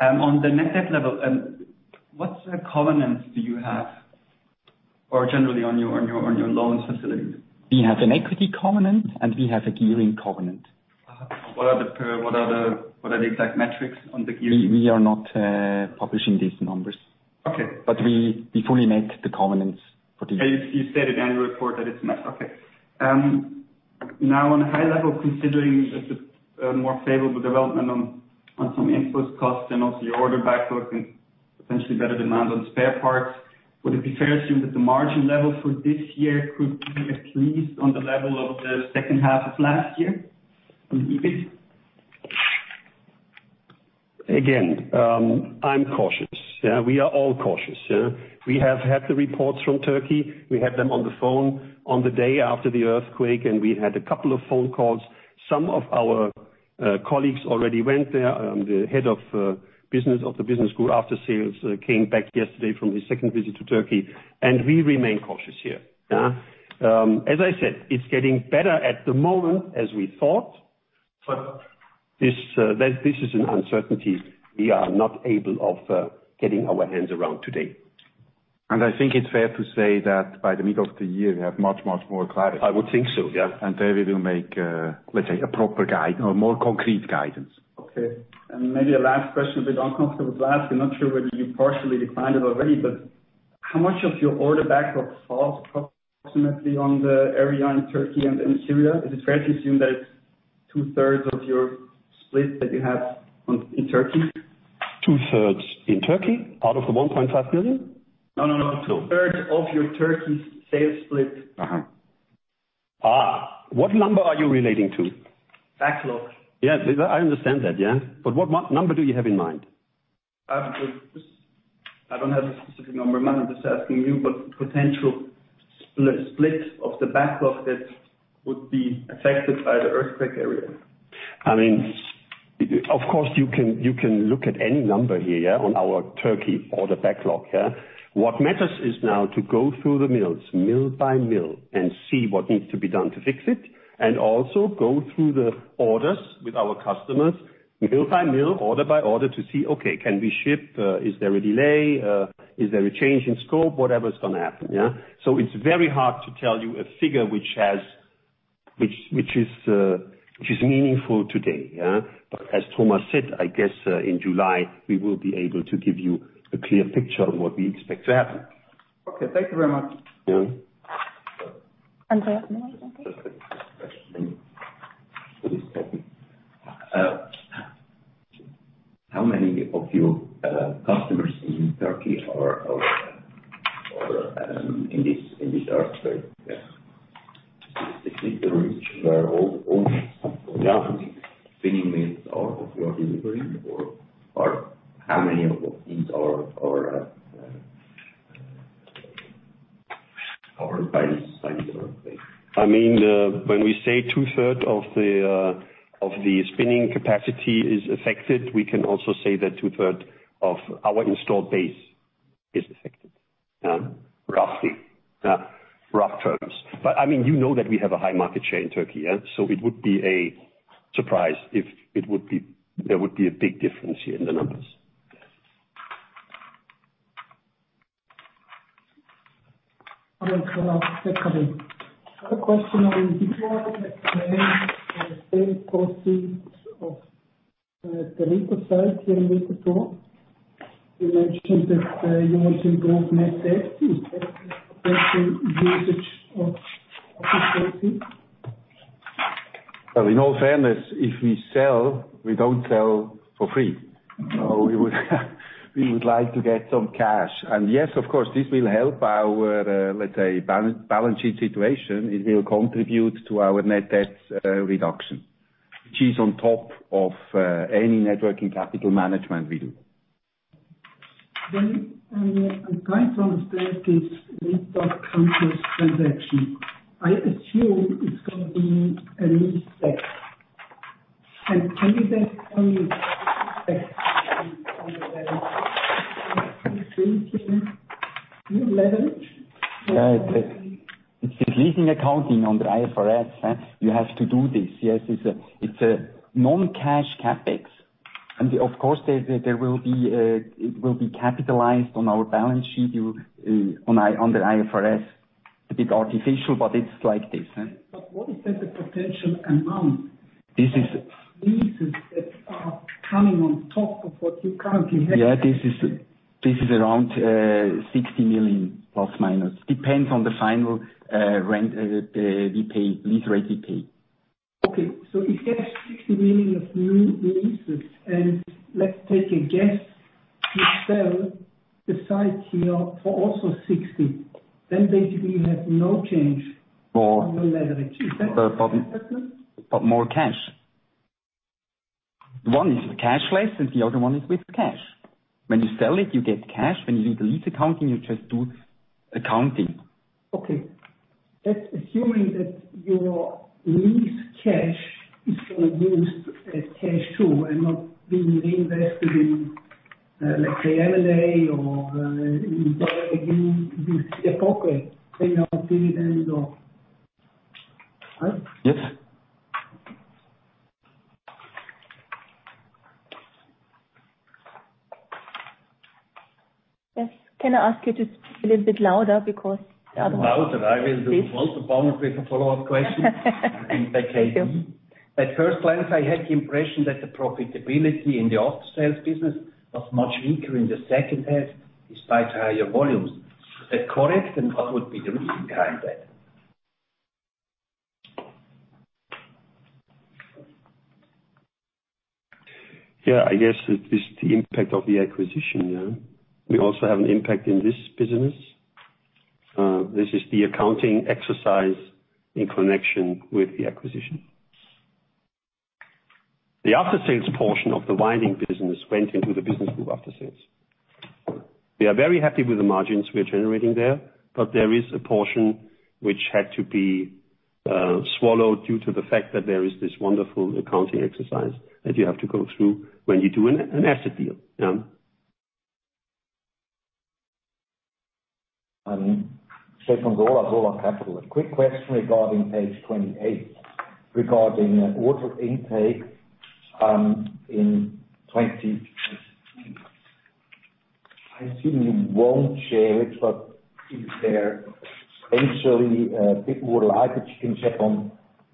On the net debt level, what covenants do you have or generally on your loans facility? We have an equity covenant, and we have a gearing covenant. What are the exact metrics on the gearing? We are not publishing these numbers. Okay. We fully met the covenants for this year. You said in annual report that it's met. Okay. Now on a high level, considering the more favorable development on some input costs and also your order backlog and potentially better demand on spare parts, would it be fair to assume that the margin level for this year could be at least on the level of the second half of last year on the EBIT? Again, I'm cautious. Yeah, we are all cautious. Yeah. We have had the reports from Turkey. We had them on the phone on the day after the earthquake. We had a couple of phone calls. Some of our colleagues already went there. The head of business of the business group after sales came back yesterday from his second visit to Turkey. We remain cautious here. Yeah. As I said, it's getting better at the moment as we thought, but this is an uncertainty we are not able of getting our hands around today. I think it's fair to say that by the middle of the year, we have much, much more clarity. I would think so, yeah. There we will make, let's say, a proper guide or more concrete guidance. Okay. Maybe a last question, a bit uncomfortable to ask. I'm not sure whether you partially declined it already, but how much of your order backlog falls approximately on the area in Turkey and in Syria? Is it fair to assume that it's two-thirds of your split that you have in Turkey? Two-thirds in Turkey out of the 1.5 billion? No, no. Two-thirds of your Turkey sales split. What number are you relating to? Backlog. Yeah. I understand that, yeah. What number do you have in mind? This, I don't have a specific number in mind. I'm just asking you, but potential split of the backlog that would be affected by the earthquake area. I mean, of course you can, you can look at any number here, yeah, on our Turkey order backlog, yeah. What matters is now to go through the mills, mill by mill, and see what needs to be done to fix it, and also go through the orders with our customers mill by mill, order by order, to see, okay, can we ship? Is there a delay? Is there a change in scope? Whatever's gonna happen, yeah. It's very hard to tell you a figure which is meaningful today, yeah. As Thomas said, I guess, in July, we will be able to give you a clear picture of what we expect to happen. Okay, thank you very much. Yeah. Andrea. Just a quick question on this topic. How many of your customers in Turkey are in this earthquake, yeah? Is it the region where all the spinning mills are of your delivery, or how many of these are covered by this? I mean, when we say two-third of the spinning capacity is affected, we can also say that two-third of our installed base is affected, roughly. Rough terms. I mean, you know that we have a high market share in Turkey, yeah. It would be a surprise if there would be a big difference here in the numbers. Okay. Thank you. I have a question on before the sale proceeds of the Rieter site here in the quarter. You mentioned that you want to improve net debt. Is that usage of the proceeds? Well, in all fairness, if we sell, we don't sell for free. We would like to get some cash. Yes, of course, this will help our, let's say, balance sheet situation. It will contribute to our net debt reduction, which is on top of any net working capital management we do. I'm trying to understand this lease or purchase transaction. I assume it's gonna be a lease back. Can you then tell me leverage? Yeah. It's leasing accounting under IFRS, huh. You have to do this. Yes, it's a, it's a non-cash CapEx. Of course, there will be, it will be capitalized on our balance sheet, you, under IFRS. A bit artificial, but it's like this, huh. What is then the potential... This is- Of leases that are coming on top of what you currently have? Yeah. This is around 60 million, plus minus. Depends on the final rent we pay, lease rate we pay. Okay. you get 60 million of new leases, and let's take a guess. You sell the site here for also 60 million. basically you have no change- For- On the leverage. Is that, is that it? More cash. One is cash less, and the other one is with cash. When you sell it, you get cash. When you do the lease accounting, you just do accounting. Okay. That's assuming that your lease cash is gonna be used as cash, too, and not being reinvested in, let's say, M&A or, in again, this epoch, you know, till the end of, right? Yes. Yes. Can I ask you to speak a little bit louder because the other one- Louder I will do. Please. Well, to balance with a follow-up question. Thank you.At first glance, I had the impression that the profitability in the after-sales business was much weaker in the second half, despite higher volumes. Is that correct? What would be the reason behind that? Yeah. I guess it is the impact of the acquisition, yeah. We also have an impact in this business. This is the accounting exercise in connection with the acquisition. The after-sales portion of the winding business went into the business group after sales. We are very happy with the margins we are generating there, but there is a portion which had to be swallowed due to the fact that there is this wonderful accounting exercise that you have to go through when you do an asset deal. Yeah. Stephan Sola. A quick question regarding page 28, regarding order intake, in 2022. I assume you won't share it, but is there potentially, people would like that you can check on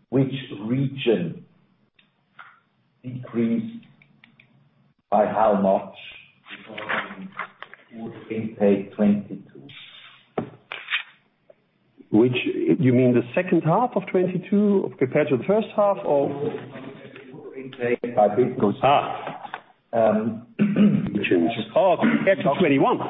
which region decreased by how much regarding order intake 2022? You mean the second half of 2022 compared to the first half or? No. Order intake by business. Ah. Um, which is- Oh, yeah, 2021.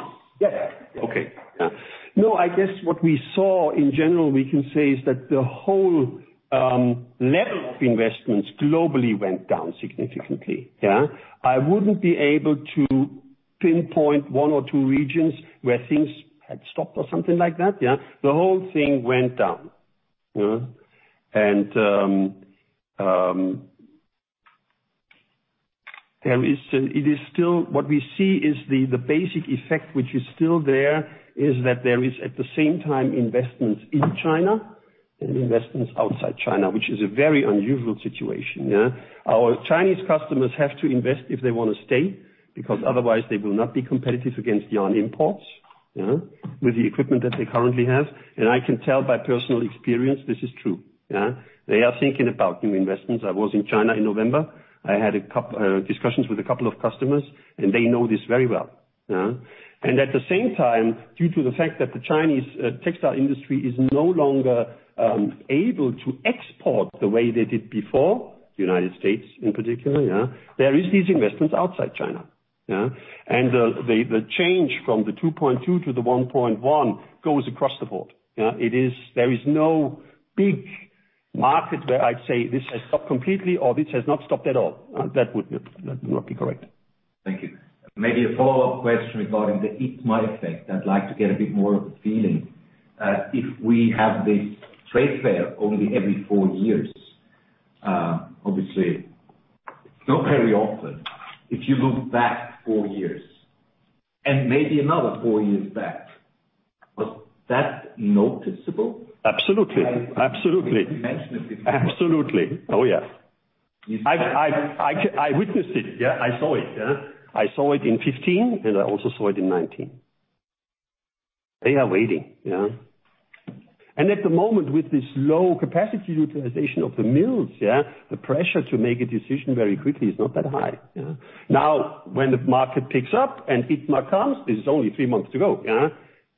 Yeah. Okay. Yeah. No, I guess what we saw in general, we can say, is that the whole level of investments globally went down significantly. Yeah. I wouldn't be able to pinpoint one or two regions where things had stopped or something like that, yeah? The whole thing went down, you know. It is still. What we see is the basic effect, which is still there, is that there is, at the same time, investments in China and investments outside China, which is a very unusual situation, yeah. Our Chinese customers have to invest if they wanna stay, because otherwise they will not be competitive against yarn imports, yeah, with the equipment that they currently have. I can tell by personal experience, this is true, yeah. They are thinking about new investments. I was in China in November. I had discussions with a couple of customers, and they know this very well, yeah. At the same time, due to the fact that the Chinese textile industry is no longer able to export the way they did before, the United States in particular, yeah, there is these investments outside China, yeah. The, the change from the 2.2 to the 1.1 goes across the board, yeah. There is no big market where I'd say this has stopped completely or this has not stopped at all. That would not be correct. Thank you. Maybe a follow-up question regarding the ITMA effect. I'd like to get a bit more of a feeling. If we have this trade fair only every four years, obviously it's not very often. If you look back four years and maybe another four years back, was that noticeable? Absolutely. Absolutely. You mentioned it before. Absolutely. Oh, yeah. I witnessed it, yeah. I saw it, yeah. I saw it in 2015, and I also saw it in 2019. They are waiting, yeah. At the moment, with this low capacity utilization of the mills, yeah, the pressure to make a decision very quickly is not that high, yeah. Now, when the market picks up and ITMA comes, this is only three months to go, yeah,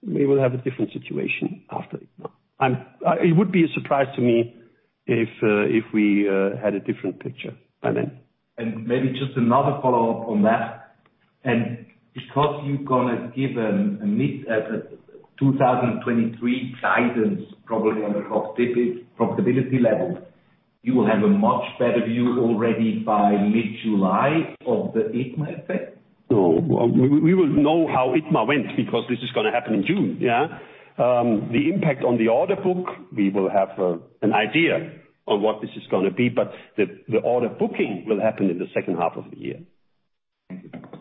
we will have a different situation after ITMA. It would be a surprise to me if we had a different picture by then. Maybe just another follow-up on that. Because you gonna give a mid-2023 guidance probably on the profitability levels, you will have a much better view already by mid-July of the ITMA effect? No. We will know how ITMA went because this is going to happen in June, yeah. The impact on the order book, we will have an idea on what this is going to be, but the order booking will happen in the second half of the year. Thank you. Okay. On the other side, I'd be interested, what are the new products you have?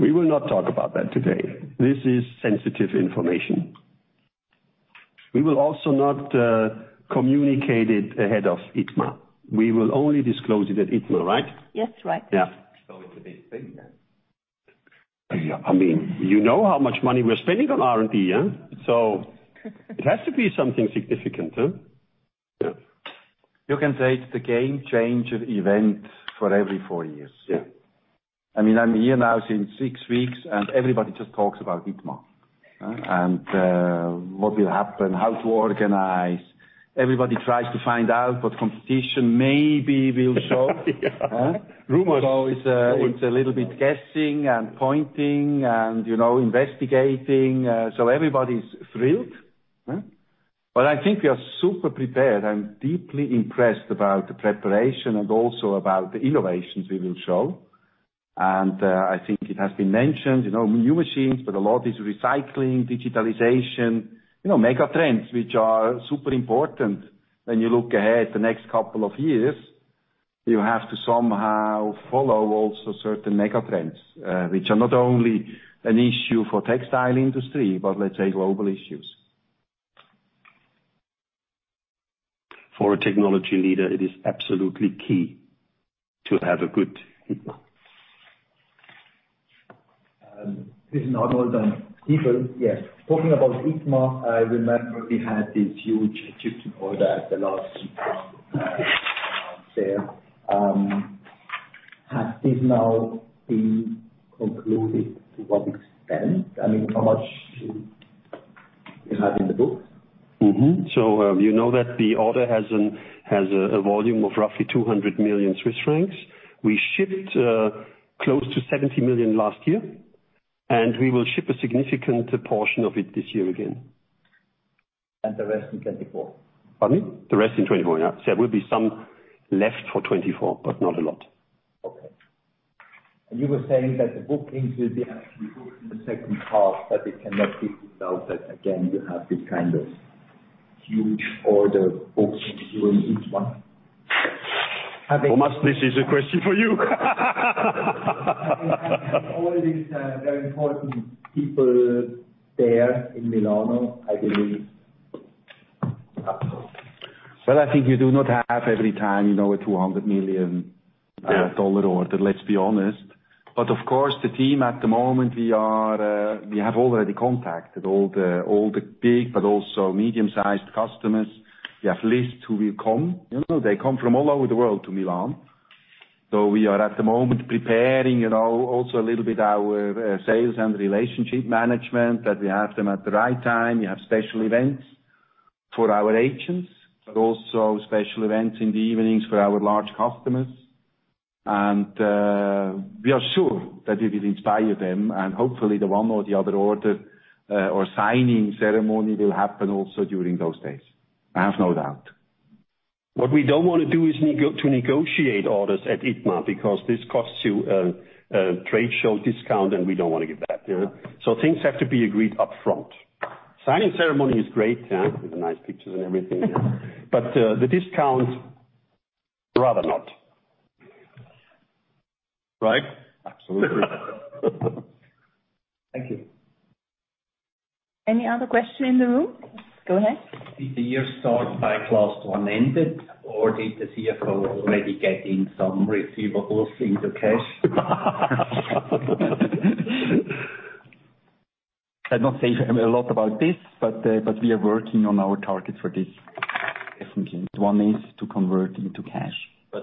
We will not talk about that today. This is sensitive information. We will also not communicate it ahead of ITMA. We will only disclose it at ITMA, right? Yes, right. Yeah. It's a big thing then. Yeah. I mean, you know how much money we're spending on R&D, yeah? It has to be something significant? Yeah. You can say it's the game changer event for every four years. Yeah. I mean, I'm here now since six weeks, and everybody just talks about ITMA, and what will happen, how to organize. Everybody tries to find out what competition maybe will show. Yeah. Huh? Rumors. It's a little bit guessing and pointing and, you know, investigating. Everybody's thrilled, huh? I think we are super prepared. I'm deeply impressed about the preparation and also about the innovations we will show. I think it has been mentioned, you know, new machines, but a lot is recycling, digitalization, you know, mega trends which are super important. When you look ahead the next couple of years, you have to somehow follow also certain mega trends, which are not only an issue for textile industry, but let's say global issues. For a technology leader, it is absolutely key to have a good ITMA. This is not all done. People, yes. Talking about ITMA, I remember we had this huge Egyptian order at the last ITMA out there. Has this now been concluded to what extent? I mean, how much do you have in the books? you know that the order has a volume of roughly 200 million Swiss francs. We shipped close to 70 million last year, and we will ship a significant portion of it this year again. The rest in 2024? Pardon me? The rest in 2024, yeah. There will be some left for 2024, but not a lot. Okay. You were saying that the bookings will be actually booked in the second half, it cannot be ruled out that again you have this kind of huge order booked during H1. Thomas, this is a question for you. Having all these, very important people there in Milano, I believe. Well, I think you do not have every time, you know, a $200 million dollar order, let's be honest. Of course, the team at the moment, we are, we have already contacted all the, all the big but also medium-sized customers. We have lists who will come. You know, they come from all over the world to Milan. We are at the moment preparing, you know, also a little bit our sales and relationship management, that we have them at the right time. We have special events for our agents, but also special events in the evenings for our large customers. We are sure that it will inspire them and hopefully the one or the other order, or signing ceremony will happen also during those days. I have no doubt. What we don't wanna do is to negotiate orders at ITMA because this costs you a trade show discount, and we don't wanna give that, yeah. Things have to be agreed up front. Signing ceremony is great, yeah, with nice pictures and everything. The discount, rather not. Right? Absolutely. Thank you. Any other question in the room? Go ahead. Did the year start by Class one ended, or did the CFO already getting some receivables into cash? I'm not saying a lot about this, but we are working on our targets for this. Definitely. One is to convert into cash.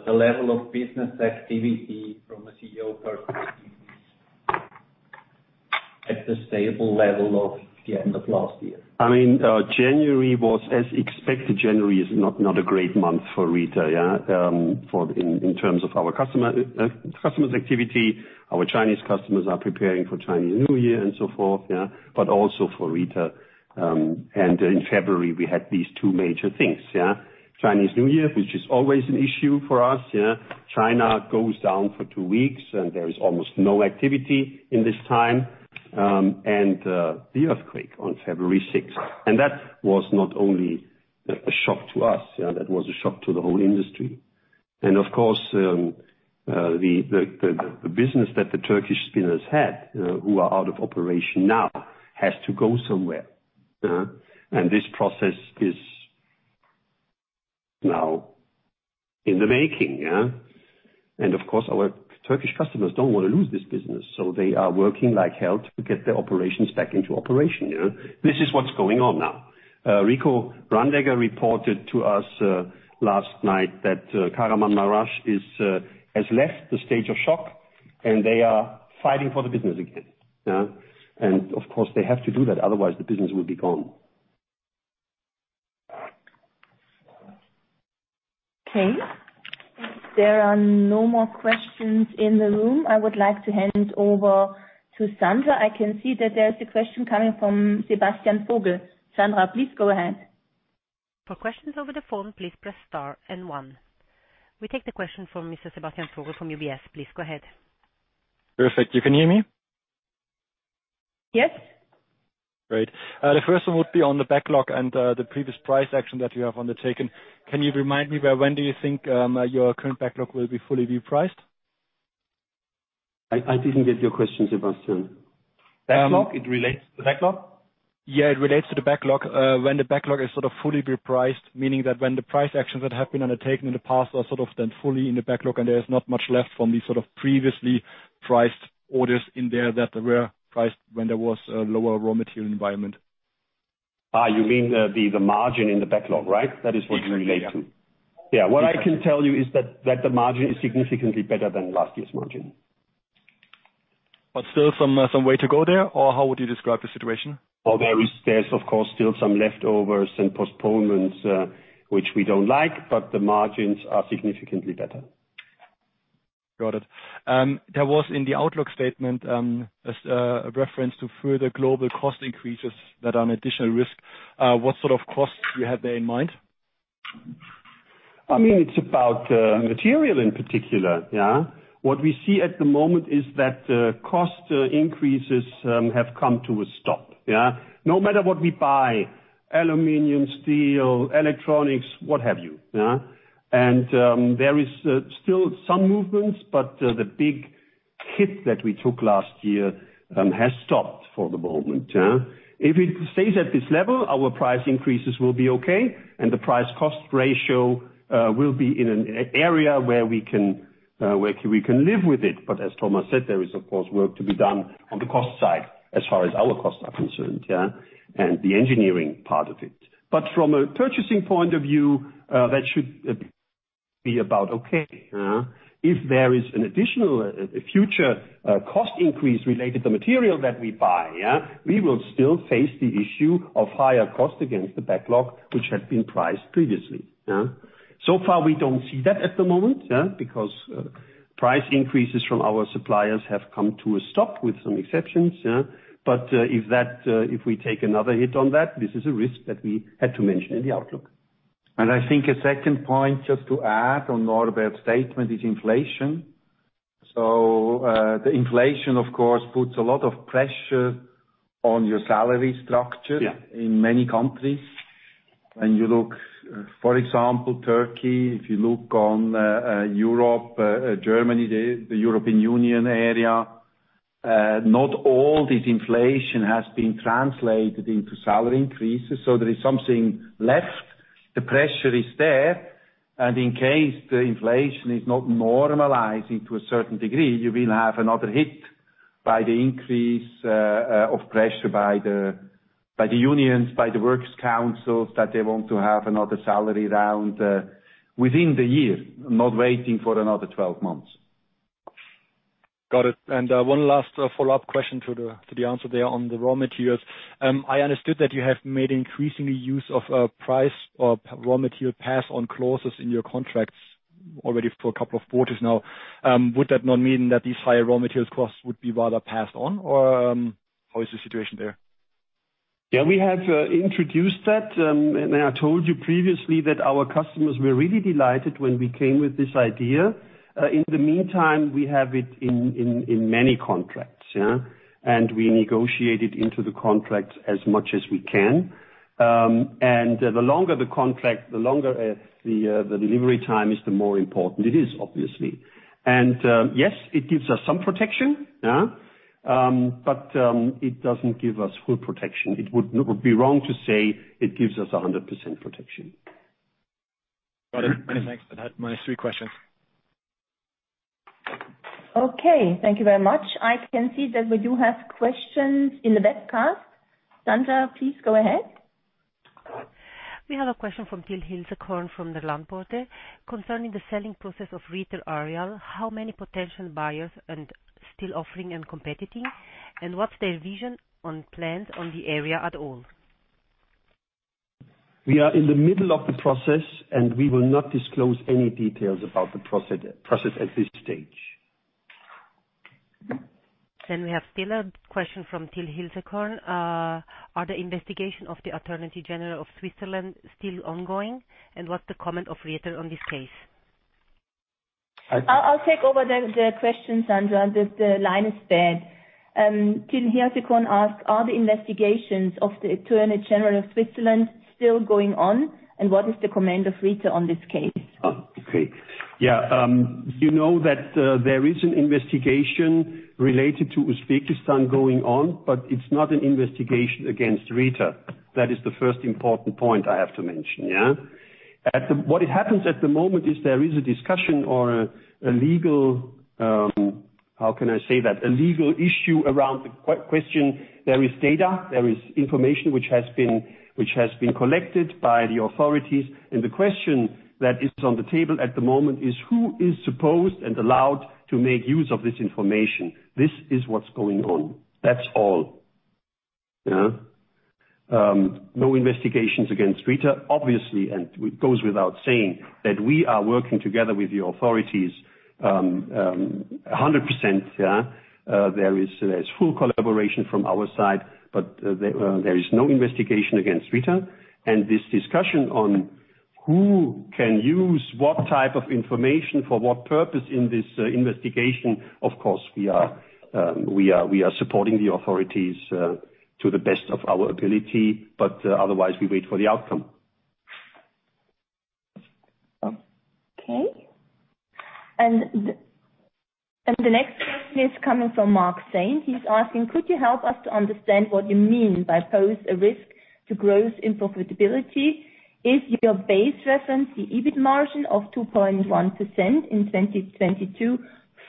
The level of business activity from a CEO perspective is at the stable level of the end of last year. I mean, January was as expected. January is not a great month for Rieter, yeah. For in terms of our customer's activity. Our Chinese customers are preparing for Chinese New Year and so forth, yeah. Also for Rieter, in February, we had these two major things, yeah. Chinese New Year, which is always an issue for us, yeah. China goes down for two weeks, and there is almost no activity in this time, and the earthquake on February 6th. That was not only a shock to us, yeah. That was a shock to the whole industry. Of course, the business that the Turkish spinners had, who are out of operation now, has to go somewhere. This process is now in the making, yeah. Of course, our Turkish customers don't wanna lose this business, so they are working like hell to get their operations back into operation, yeah. This is what's going on now. Rico Brandenberger reported to us last night that Kahramanmaraş is has left the stage of shock, and they are fighting for the business again. Yeah. Of course, they have to do that. Otherwise, the business will be gone. Okay. If there are no more questions in the room, I would like to hand over to Sandra. I can see that there's a question coming from Sebastian Vogel. Sandra, please go ahead. For questions over the phone, please press star and one. We take the question from Mr. Sebastian Vogel from UBS. Please go ahead. Perfect. You can hear me? Yes. Great. The first one would be on the backlog and the previous price action that you have undertaken. Can you remind me by when do you think, your current backlog will be fully repriced? I didn't get your question, Sebastian. Backlog? It relates to backlog. It relates to the backlog. When the backlog is sort of fully repriced, meaning that when the price actions that have been undertaken in the past are sort of then fully in the backlog, and there's not much left from the sort of previously priced orders in there that were priced when there was a lower raw material environment. You mean the margin in the backlog, right? That is what you relate to. Exactly, yeah. Yeah. What I can tell you is that the margin is significantly better than last year's margin. Still some way to go there, or how would you describe the situation? Well, there's of course still some leftovers and postponements, which we don't like, but the margins are significantly better. Got it. There was in the outlook statement, as a reference to further global cost increases that are an additional risk. What sort of costs do you have there in mind? I mean, it's about material in particular, yeah. What we see at the moment is that cost increases have come to a stop, yeah. No matter what we buy, aluminum, steel, electronics, what have you, yeah. There is still some movements, but the big hit that we took last year has stopped for the moment, yeah. If it stays at this level, our price increases will be okay, and the price-cost ratio will be in an area where we can, we can live with it. As Thomas said, there is, of course, work to be done on the cost side as far as our costs are concerned, yeah, and the engineering part of it. From a purchasing point of view, that should be about okay, yeah. If there is an additional, future, cost increase related to material that we buy, yeah, we will still face the issue of higher cost against the backlog, which had been priced previously, yeah. So far, we don't see that at the moment, yeah, because, price increases from our suppliers have come to a stop with some exceptions, yeah. If that, if we take another hit on that, this is a risk that we had to mention in the outlook. I think a second point, just to add on Norbert's statement, is inflation. The inflation, of course, puts a lot of pressure on your salary structure. Yeah. In many countries. When you look, for example, Turkey, if you look on Europe, Germany, the European Union area, not all this inflation has been translated into salary increases. There is something left. The pressure is there. In case the inflation is not normalizing to a certain degree, you will have another hit by the increase of pressure by the unions, by the works councils, that they want to have another salary round within the year, not waiting for another 12 months. Got it. One last follow-up question to the answer there on the raw materials. I understood that you have made increasing use of price or raw material pass on clauses in your contracts already for a couple of quarters now. Would that not mean that these higher raw materials costs would be rather passed on? How is the situation there? Yeah, we have introduced that, and I told you previously that our customers were really delighted when we came with this idea. In the meantime, we have it in many contracts, yeah. We negotiate it into the contracts as much as we can. The longer the contract, the longer the delivery time is, the more important it is, obviously. Yes, it gives us some protection, yeah. It doesn't give us full protection. It would be wrong to say it gives us a 100% protection. Got it. Many thanks. That my three questions. Okay. Thank you very much. I can see that we do have questions in the webcast. Sandra, please go ahead. We have a question from Till Hilsekorn from the Landesbank concerning the selling process of Rieter Areal. How many potential buyers and still offering and competing, and what's their vision on plans on the area at all? We are in the middle of the process, and we will not disclose any details about the process at this stage. We have still a question from Till Hilsekorn. Are the investigation of the Attorney General of Switzerland still ongoing, and what's the comment of Rieter on this case? I- I'll take over the question, Sandra. The line is dead. Till Hilsekorn asked, "Are the investigations of the Attorney General of Switzerland still going on, and what is the comment of Rieter on this case? Oh, okay. Yeah. You know that there is an investigation related to Uzbekistan going on, it's not an investigation against Rieter. That is the first important point I have to mention, yeah. What happens at the moment is there is a discussion or a legal, how can I say that? A legal issue around the question. There is data, there is information which has been collected by the authorities. The question that is on the table at the moment is who is supposed and allowed to make use of this information? This is what's going on. That's all. Yeah. No investigations against Rieter. Obviously, and it goes without saying, that we are working together with the authorities, 100%, yeah. There's full collaboration from our side, but there is no investigation against Rieter. This discussion on who can use what type of information for what purpose in this investigation. Of course, we are supporting the authorities to the best of our ability. Otherwise we wait for the outcome. Okay. The next question is coming from Marc Zaugg. He's asking, "Could you help us to understand what you mean by pose a risk to growth in profitability? Is your base reference the EBIT margin of 2.1% in 2022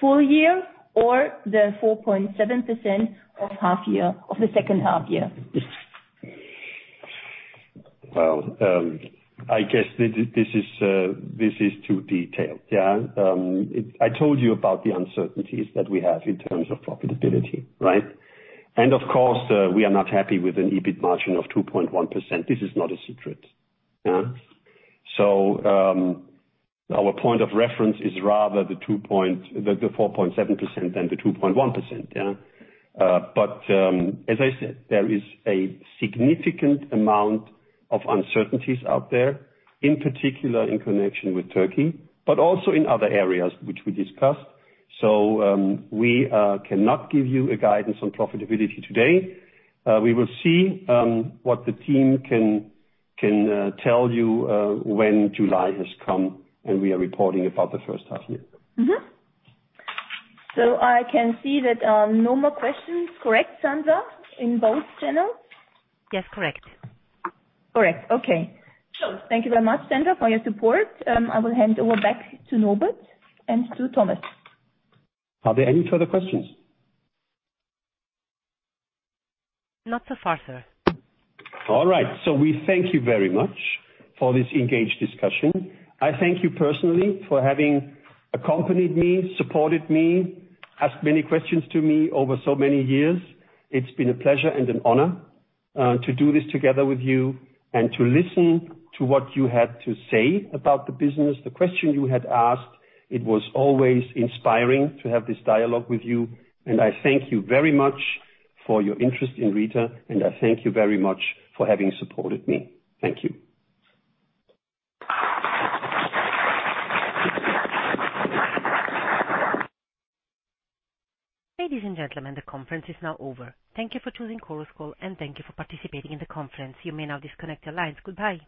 full year, or the 4.7% of half year, of the second half year? Well, I guess this is too detailed. I told you about the uncertainties that we have in terms of profitability, right? Of course, we are not happy with an EBIT margin of 2.1%. This is not a secret. Our point of reference is rather the 4.7% than the 2.1%. As I said, there is a significant amount of uncertainties out there, in particular in connection with Turkey, but also in other areas which we discussed. We cannot give you a guidance on profitability today. We will see what the team can tell you when July has come, and we are reporting about the first half-year. I can see that, no more questions. Correct, Sandra, in both channels? Yes, correct. Correct. Okay. Thank you very much, Sandra, for your support. I will hand over back to Norbert and to Thomas. Are there any further questions? Not so far, sir. All right. We thank you very much for this engaged discussion. I thank you personally for having accompanied me, supported me, asked many questions to me over so many years. It's been a pleasure and an honor to do this together with you and to listen to what you had to say about the business. The question you had asked, it was always inspiring to have this dialogue with you. I thank you very much for your interest in Rieter. I thank you very much for having supported me. Thank you. Ladies and gentlemen, the conference is now over. Thank you for choosing Chorus Call, and thank you for participating in the conference. You may now disconnect your lines. Goodbye.